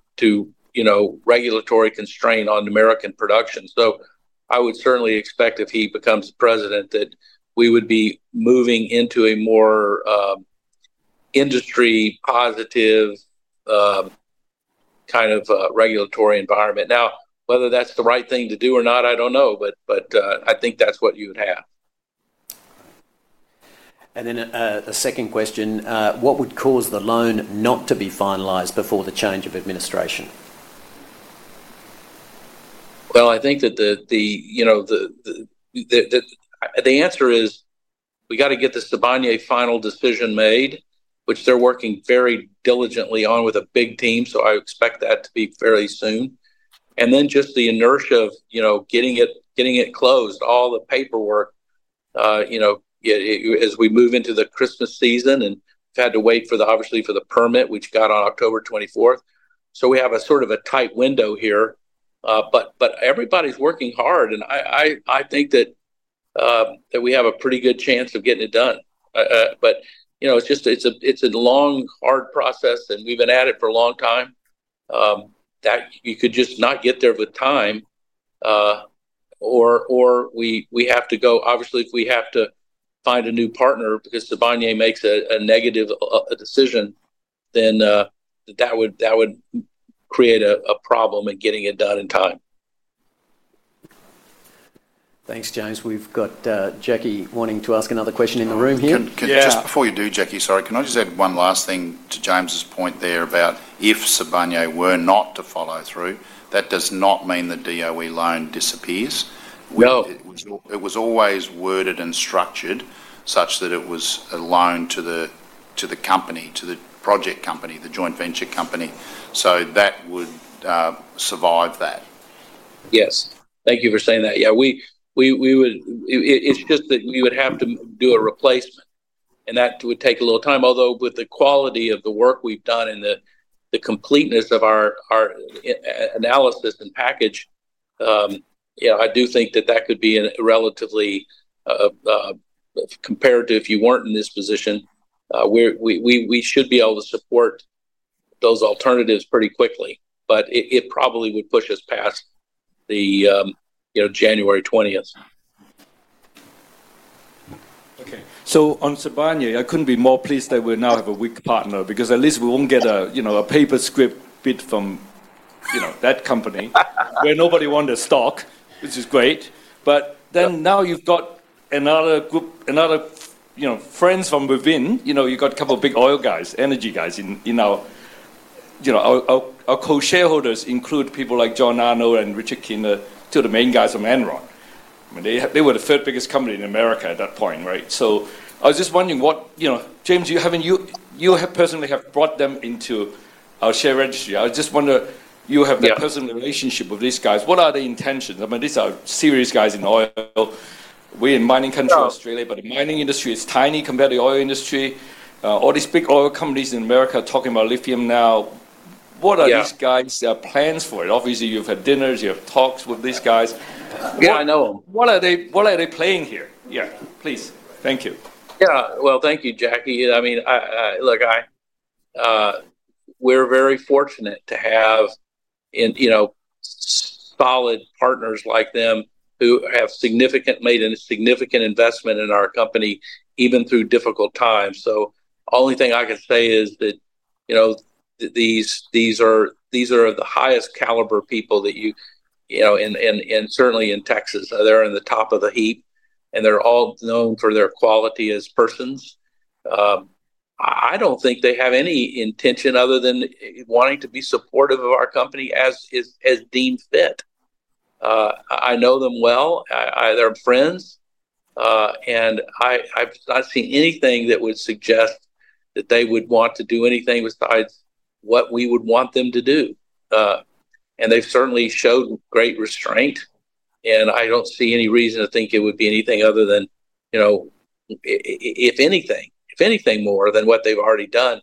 regulatory constraint on American production. So I would certainly expect if he becomes president that we would be moving into a more industry-positive kind of regulatory environment. Now, whether that's the right thing to do or not, I don't know. But I think that's what you would have. And then a second question. What would cause the loan not to be finalized before the change of administration? Well, I think that the answer is we got to get the Sibanye final decision made, which they're working very diligently on with a big team. So I expect that to be fairly soon. And then just the inertia of getting it closed, all the paperwork as we move into the Christmas season. And we've had to wait for the, obviously, for the permit, which got on October 24th. So we have a sort of a tight window here. But everybody's working hard. And I think that we have a pretty good chance of getting it done. But it's a long, hard process, and we've been at it for a long time. You could just not get there with time, or we have to go obviously, if we have to find a new partner because Sibanye makes a negative decision, then that would create a problem in getting it done in time. Thanks, James. We've got Jackie wanting to ask another question in the room here. Just before you do, Jackie, sorry, can I just add one last thing to James's point there about if Sibanye were not to follow through, that does not mean the DOE loan disappears. It was always worded and structured such that it was a loan to the company, to the project company, the joint venture company. So that would survive that. Yes. Thank you for saying that. Yeah. It's just that we would have to do a replacement, and that would take a little time. Although with the quality of the work we've done and the completeness of our analysis and package, I do think that that could be relatively compared to if you weren't in this position, we should be able to support those alternatives pretty quickly. But it probably would push us past the January 20th. Okay. So on Sibanye, I couldn't be more pleased that we now have an equity partner because at least we won't get a paper scrip bid from that company where nobody wanted to stock, which is great. But then now you've got another group, another friends from within. You've got a couple of big oil guys, energy guys in our co-shareholders include people like John Arnold and Richard Kinder to the main guys of Enron. I mean, they were the third biggest company in America at that point, right? So I was just wondering what James, you personally have brought them into our share registry. I just wonder you have a personal relationship with these guys. What are their intentions? I mean, these are serious guys in oil. We're in mining country, Australia, but the mining industry is tiny compared to the oil industry. All these big oil companies in America are talking about lithium now. What are these guys' plans for it? Obviously, you've had dinners. You have talks with these guys. Yeah, I know them. What are they playing here? Yeah. Please. Thank you. Yeah. Well, thank you, Jackie. I mean, look, we're very fortunate to have solid partners like them who have made a significant investment in our company even through difficult times. So the only thing I can say is that these are the highest caliber people that you and certainly in Texas. They're in the top of the heap, and they're all known for their quality as persons. I don't think they have any intention other than wanting to be supportive of our company as deemed fit. I know them well. They're friends. And I've not seen anything that would suggest that they would want to do anything besides what we would want them to do. And they've certainly showed great restraint. And I don't see any reason to think it would be anything other than, if anything, more than what they've already done,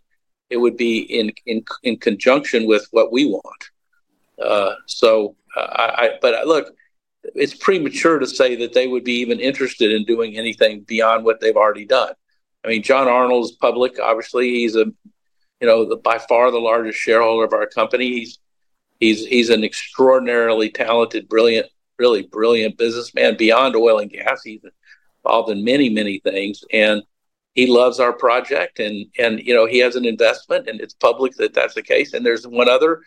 it would be in conjunction with what we want. But look, it's premature to say that they would be even interested in doing anything beyond what they've already done. I mean, John Arnold's public, obviously. He's by far the largest shareholder of our company. He's an extraordinarily talented, really brilliant businessman beyond oil and gas. He's involved in many, many things. And he loves our project. And he has an investment, and it's public that that's the case. And there's one other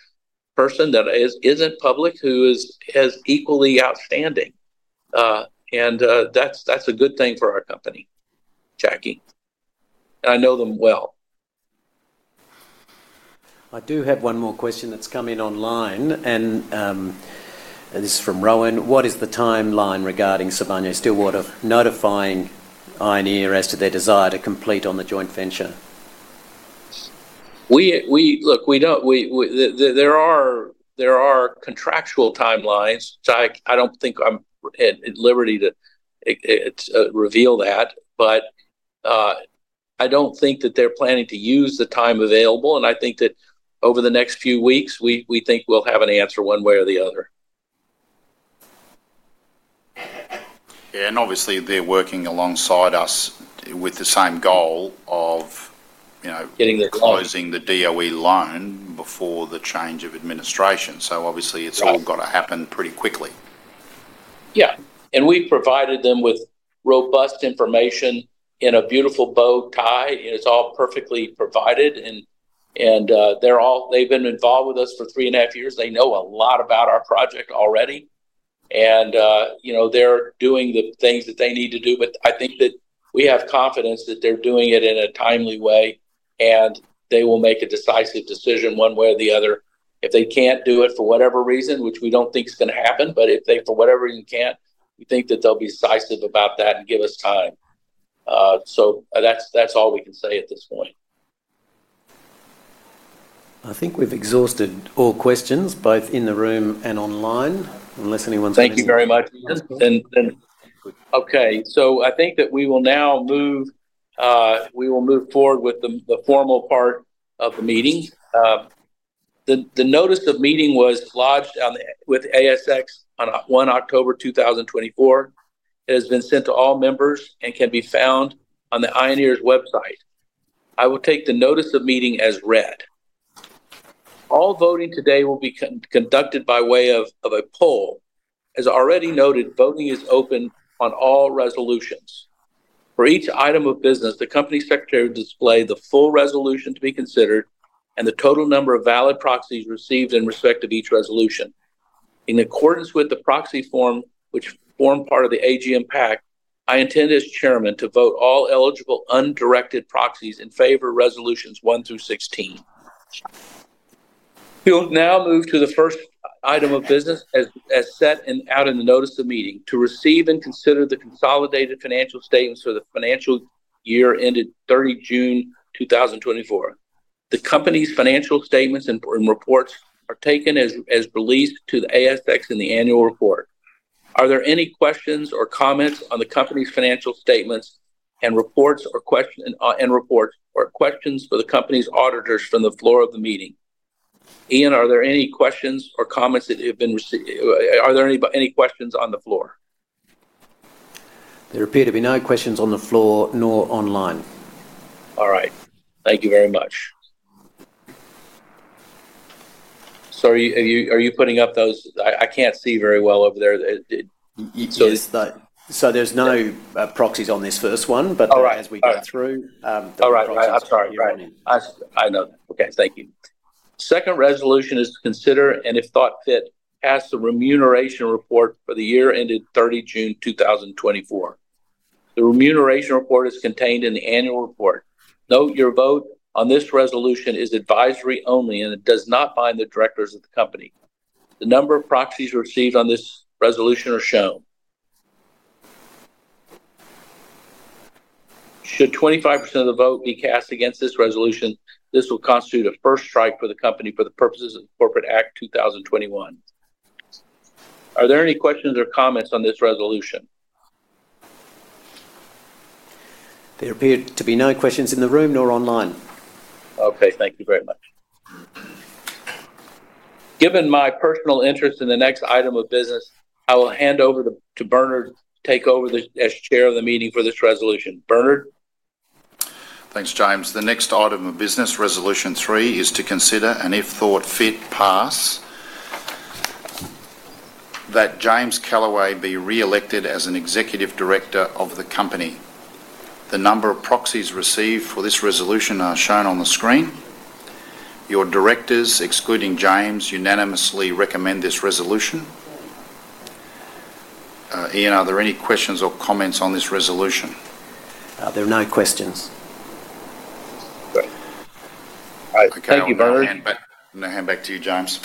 person that isn't public who is equally outstanding. And that's a good thing for our company, Jackie. And I know them well. I do have one more question that's come in online. And this is from Rowan. What is the timeline regarding Sibanye-Stillwater notifying Ioneer as to their desire to complete on the joint venture? Look, there are contractual timelines. I don't think I'm at liberty to reveal that. But I don't think that they're planning to use the time available. And I think that over the next few weeks, we think we'll have an answer one way or the other. Yeah. And obviously, they're working alongside us with the same goal of closing the DOE loan before the change of administration. So obviously, it's all got to happen pretty quickly. Yeah. And we've provided them with robust information in a beautiful bow tie. And it's all perfectly provided. And they've been involved with us for three and a half years. They know a lot about our project already. And they're doing the things that they need to do. But I think that we have confidence that they're doing it in a timely way. And they will make a decisive decision one way or the other. If they can't do it for whatever reason, which we don't think is going to happen, but if they for whatever reason can't, we think that they'll be decisive about that and give us time. So that's all we can say at this point. I think we've exhausted all questions, both in the room and online, unless anyone's got anything. Thank you very much. Okay. So I think that we will now move forward with the formal part of the meeting. The notice of meeting was lodged with ASX on 1 October 2024. It has been sent to all members and can be found on the Ioneer's website. I will take the notice of meeting as read. All voting today will be conducted by way of a poll. As already noted, voting is open on all resolutions. For each item of business, the company secretary will display the full resolution to be considered and the total number of valid proxies received in respect of each resolution. In accordance with the proxy form, which formed part of the AGM pack, I intend as chairman to vote all eligible undirected proxies in favor of resolutions one through 16. We'll now move to the first item of business as set out in the notice of meeting to receive and consider the consolidated financial statements for the financial year ended 30 June 2024. The company's financial statements and reports are taken as released to the ASX in the annual report. Are there any questions or comments on the company's financial statements and reports or questions for the company's auditors from the floor of the meeting? Ian, are there any questions or comments? Are there any questions on the floor? There appear to be no questions on the floor nor online. All right. Thank you very much. Sorry, are you putting up those? I can't see very well over there. So there's no proxies on this first one. But as we go through, there'll be proxies. All right. I'm sorry. You're on mute. I know. Okay. Thank you. Second resolution is to consider, and if thought fit, pass the remuneration report for the year ended 30 June 2024. The remuneration report is contained in the annual report. Note your vote on this resolution is advisory only, and it does not bind the directors of the company. The number of proxies received on this resolution are shown. Should 25% of the vote be cast against this resolution, this will constitute a first strike for the company for the purposes of the Corporations Act 2001. Are there any questions or comments on this resolution? There appear to be no questions in the room nor online. Okay. Thank you very much. Given my personal interest in the next item of business, I will hand over to Bernard to take over as chair of the meeting for this resolution. Bernard? Thanks, James. The next item of business, resolution three, is to consider and if thought fit, pass that James Calaway be re-elected as an Executive Director of the company. The number of proxies received for this resolution are shown on the screen. Your directors, excluding James, unanimously recommend this resolution. Ian, are there any questions or comments on this resolution? There are no questions. Thank you, Bernard. I'm going to hand back to you, James.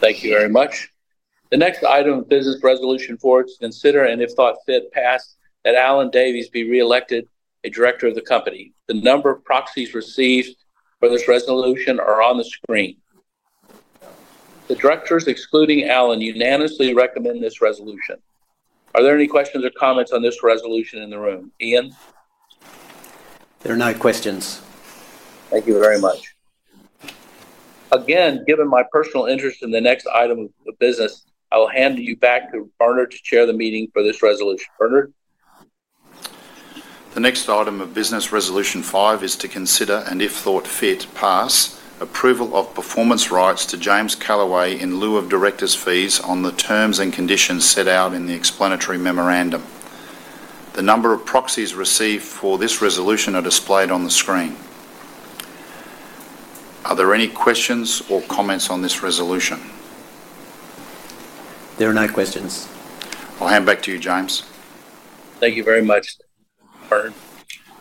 Thank you very much. The next item of business resolution four is to consider and if thought fit, pass that Alan Davies be re-elected a Director of the company. The number of proxies received for this resolution are on the screen. The directors, excluding Alan, unanimously recommend this resolution. Are there any questions or comments on this resolution in the room? Ian? There are no questions. Thank you very much. Again, given my personal interest in the next item of business, I will hand you back to Bernard to chair the meeting for this resolution. Bernard? The next item of business, resolution five, is to consider and if thought fit, pass approval of performance rights to James Calaway in lieu of directors' fees on the terms and conditions set out in the explanatory memorandum. The number of proxies received for this resolution are displayed on the screen. Are there any questions or comments on this resolution? There are no questions. I'll hand back to you, James. Thank you very much, Bernard.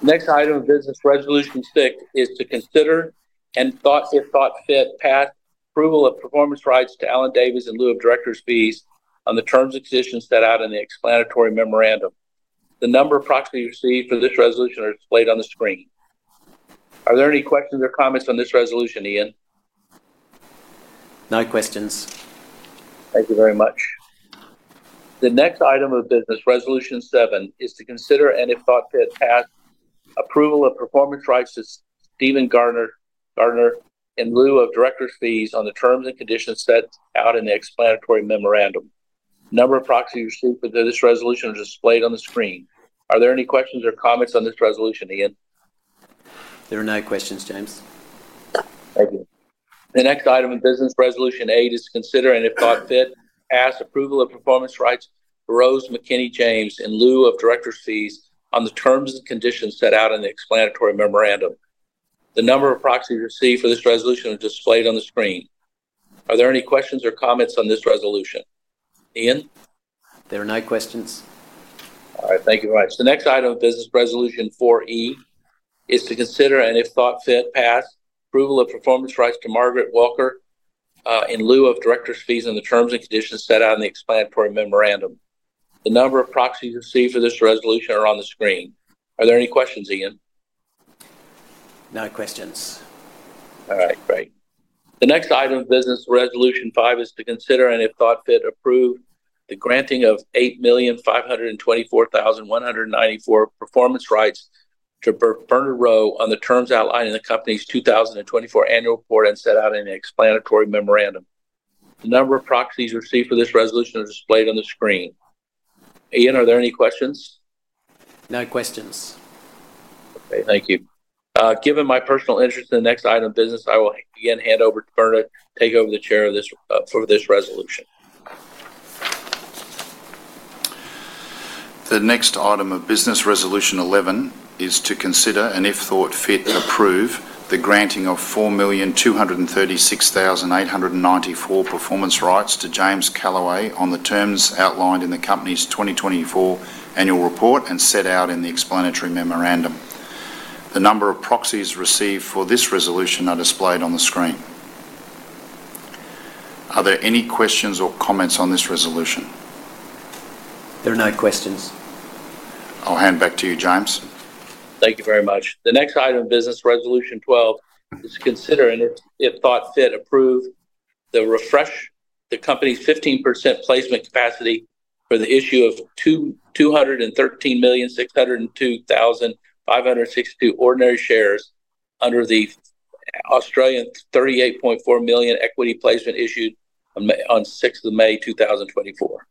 Next item of business, resolution six, is to consider and if thought fit, pass approval of performance rights to Alan Davies in lieu of directors' fees on the terms and conditions set out in the explanatory memorandum. The number of proxies received for this resolution are displayed on the screen. Are there any questions or comments on this resolution, Ian? No questions. Thank you very much. The next item of business, resolution seven, is to consider and if thought fit, pass approval of performance rights to Stephen Gardiner in lieu of directors' fees on the terms and conditions set out in the explanatory memorandum. The number of proxies received for this resolution are displayed on the screen. Are there any questions or comments on this resolution, Ian? There are no questions, James. Thank you. The next item of business, resolution eight, is to consider and if thought fit, pass approval of performance rights to Rose McKinney-James in lieu of directors' fees on the terms and conditions set out in the explanatory memorandum. The number of proxies received for this resolution are displayed on the screen. Are there any questions or comments on this resolution, Ian? There are no questions. All right. Thank you very much. The next item of business, resolution 4E, is to consider and if thought fit, pass approval of performance rights to Margaret Walker in lieu of directors' fees on the terms and conditions set out in the explanatory memorandum. The number of proxies received for this resolution are on the screen. Are there any questions, Ian? No questions. .All right. Great. The next item of business, resolution five, is to consider and if thought fit, approve the granting of 8,524,194 performance rights to Bernard Rowe on the terms outlined in the company's 2024 annual report and set out in the explanatory memorandum. The number of proxies received for this resolution are displayed on the screen. Ian, are there any questions? No questions. Okay. Thank you. Given my personal interest in the next item of business, I will again hand over to Bernard to take over the chair for this resolution. The next item of business, resolution 11, is to consider and if thought fit, approve the granting of 4,236,894 performance rights to James Calaway on the terms outlined in the company's 2024 annual report and set out in the explanatory memorandum. The number of proxies received for this resolution are displayed on the screen. Are there any questions or comments on this resolution? There are no questions. I'll hand back to you, James. Thank you very much. The next item of business, resolution 12, is to consider and if thought fit, approve the refresh of the company's 15% placement capacity for the issue of 213,602,562 ordinary shares under the Australian 38.4 million equity placement issued on 6 May 2024.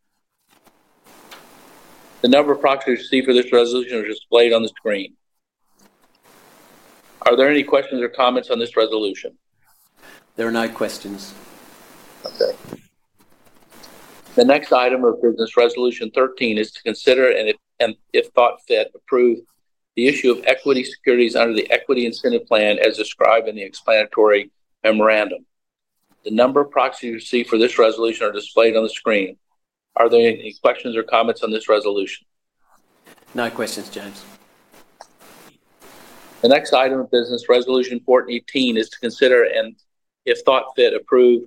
The number of proxies received for this resolution are displayed on the screen. Are there any questions or comments on this resolution? There are no questions. Okay. The next item of business, resolution 13, is to consider and if thought fit, approve the issue of equity securities under the equity incentive plan as described in the explanatory memorandum. The number of proxies received for this resolution are displayed on the screen. Are there any questions or comments on this resolution? No questions, James. The next item of business, resolution 14, is to consider and if thought fit, approve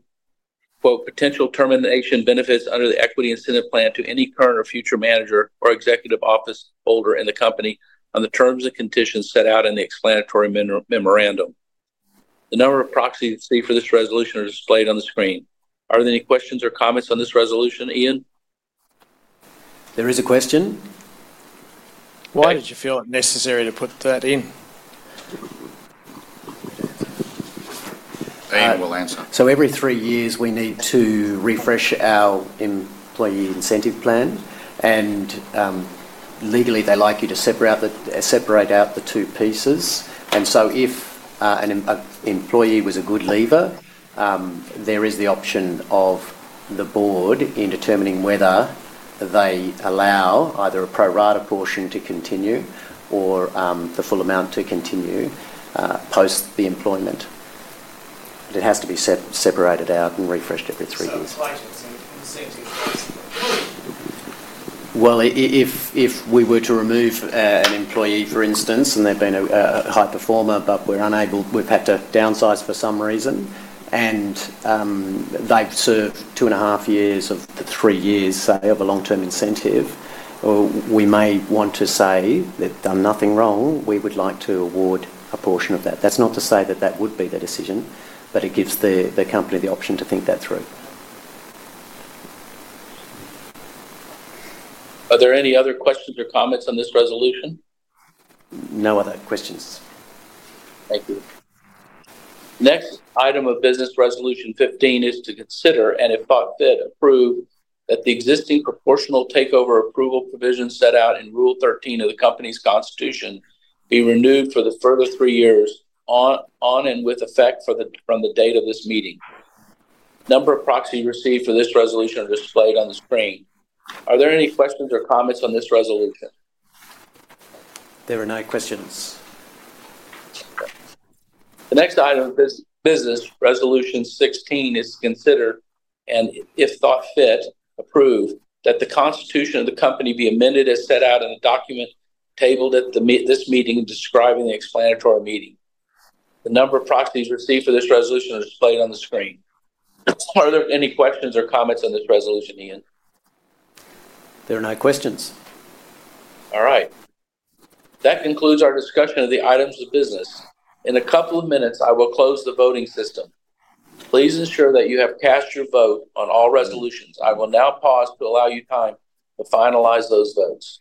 "potential termination benefits under the equity incentive plan to any current or future manager or executive office holder in the company on the terms and conditions set out in the explanatory memorandum." The number of proxies received for this resolution are displayed on the screen. Are there any questions or comments on this resolution, Ian? There is a question. Why did you feel it necessary to put that in? Ian will answer. So every three years, we need to refresh our employee incentive plan. And legally, they like you to separate out the two pieces. And so if an employee was a good leaver, there is the option of the board in determining whether they allow either a pro-rata portion to continue or the full amount to continue post the employment. But it has to be separated out and refreshed every three years. Well, if we were to remove an employee, for instance, and they've been a high performer, but we're unable, we've had to downsize for some reason, and they've served two and a half years of the three years, say, of a long-term incentive, we may want to say they've done nothing wrong. We would like to award a portion of that. That's not to say that that would be the decision, but it gives the company the option to think that through. Are there any other questions or comments on this resolution? No other questions. Thank you. Next item of business, resolution 15, is to consider and if thought fit, approve that the existing proportional takeover approval provision set out in Rule 13 of the company's constitution be renewed for the further three years on and with effect from the date of this meeting. The number of proxies received for this resolution are displayed on the screen. Are there any questions or comments on this resolution? There are no questions. The next item of business, resolution 16, is to consider, and if thought fit, approve that the constitution of the company be amended as set out in the document tabled at this meeting describing the explanatory memorandum. The number of proxies received for this resolution are displayed on the screen. Are there any questions or comments on this resolution, Ian? There are no questions. All right. That concludes our discussion of the items of business. In a couple of minutes, I will close the voting system. Please ensure that you have cast your vote on all resolutions. I will now pause to allow you time to finalize those votes.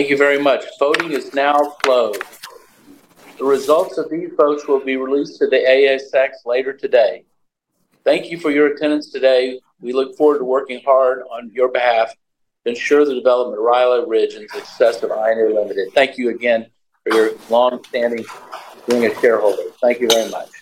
Thank you very much. Voting is now closed. The results of these votes will be released to the ASX later today. Thank you for your attendance today. We look forward to working hard on your behalf to ensure the development of Rhyolite Ridge and success of Ioneer Limited. Thank you again for your long-standing support as a shareholder. Thank you very much.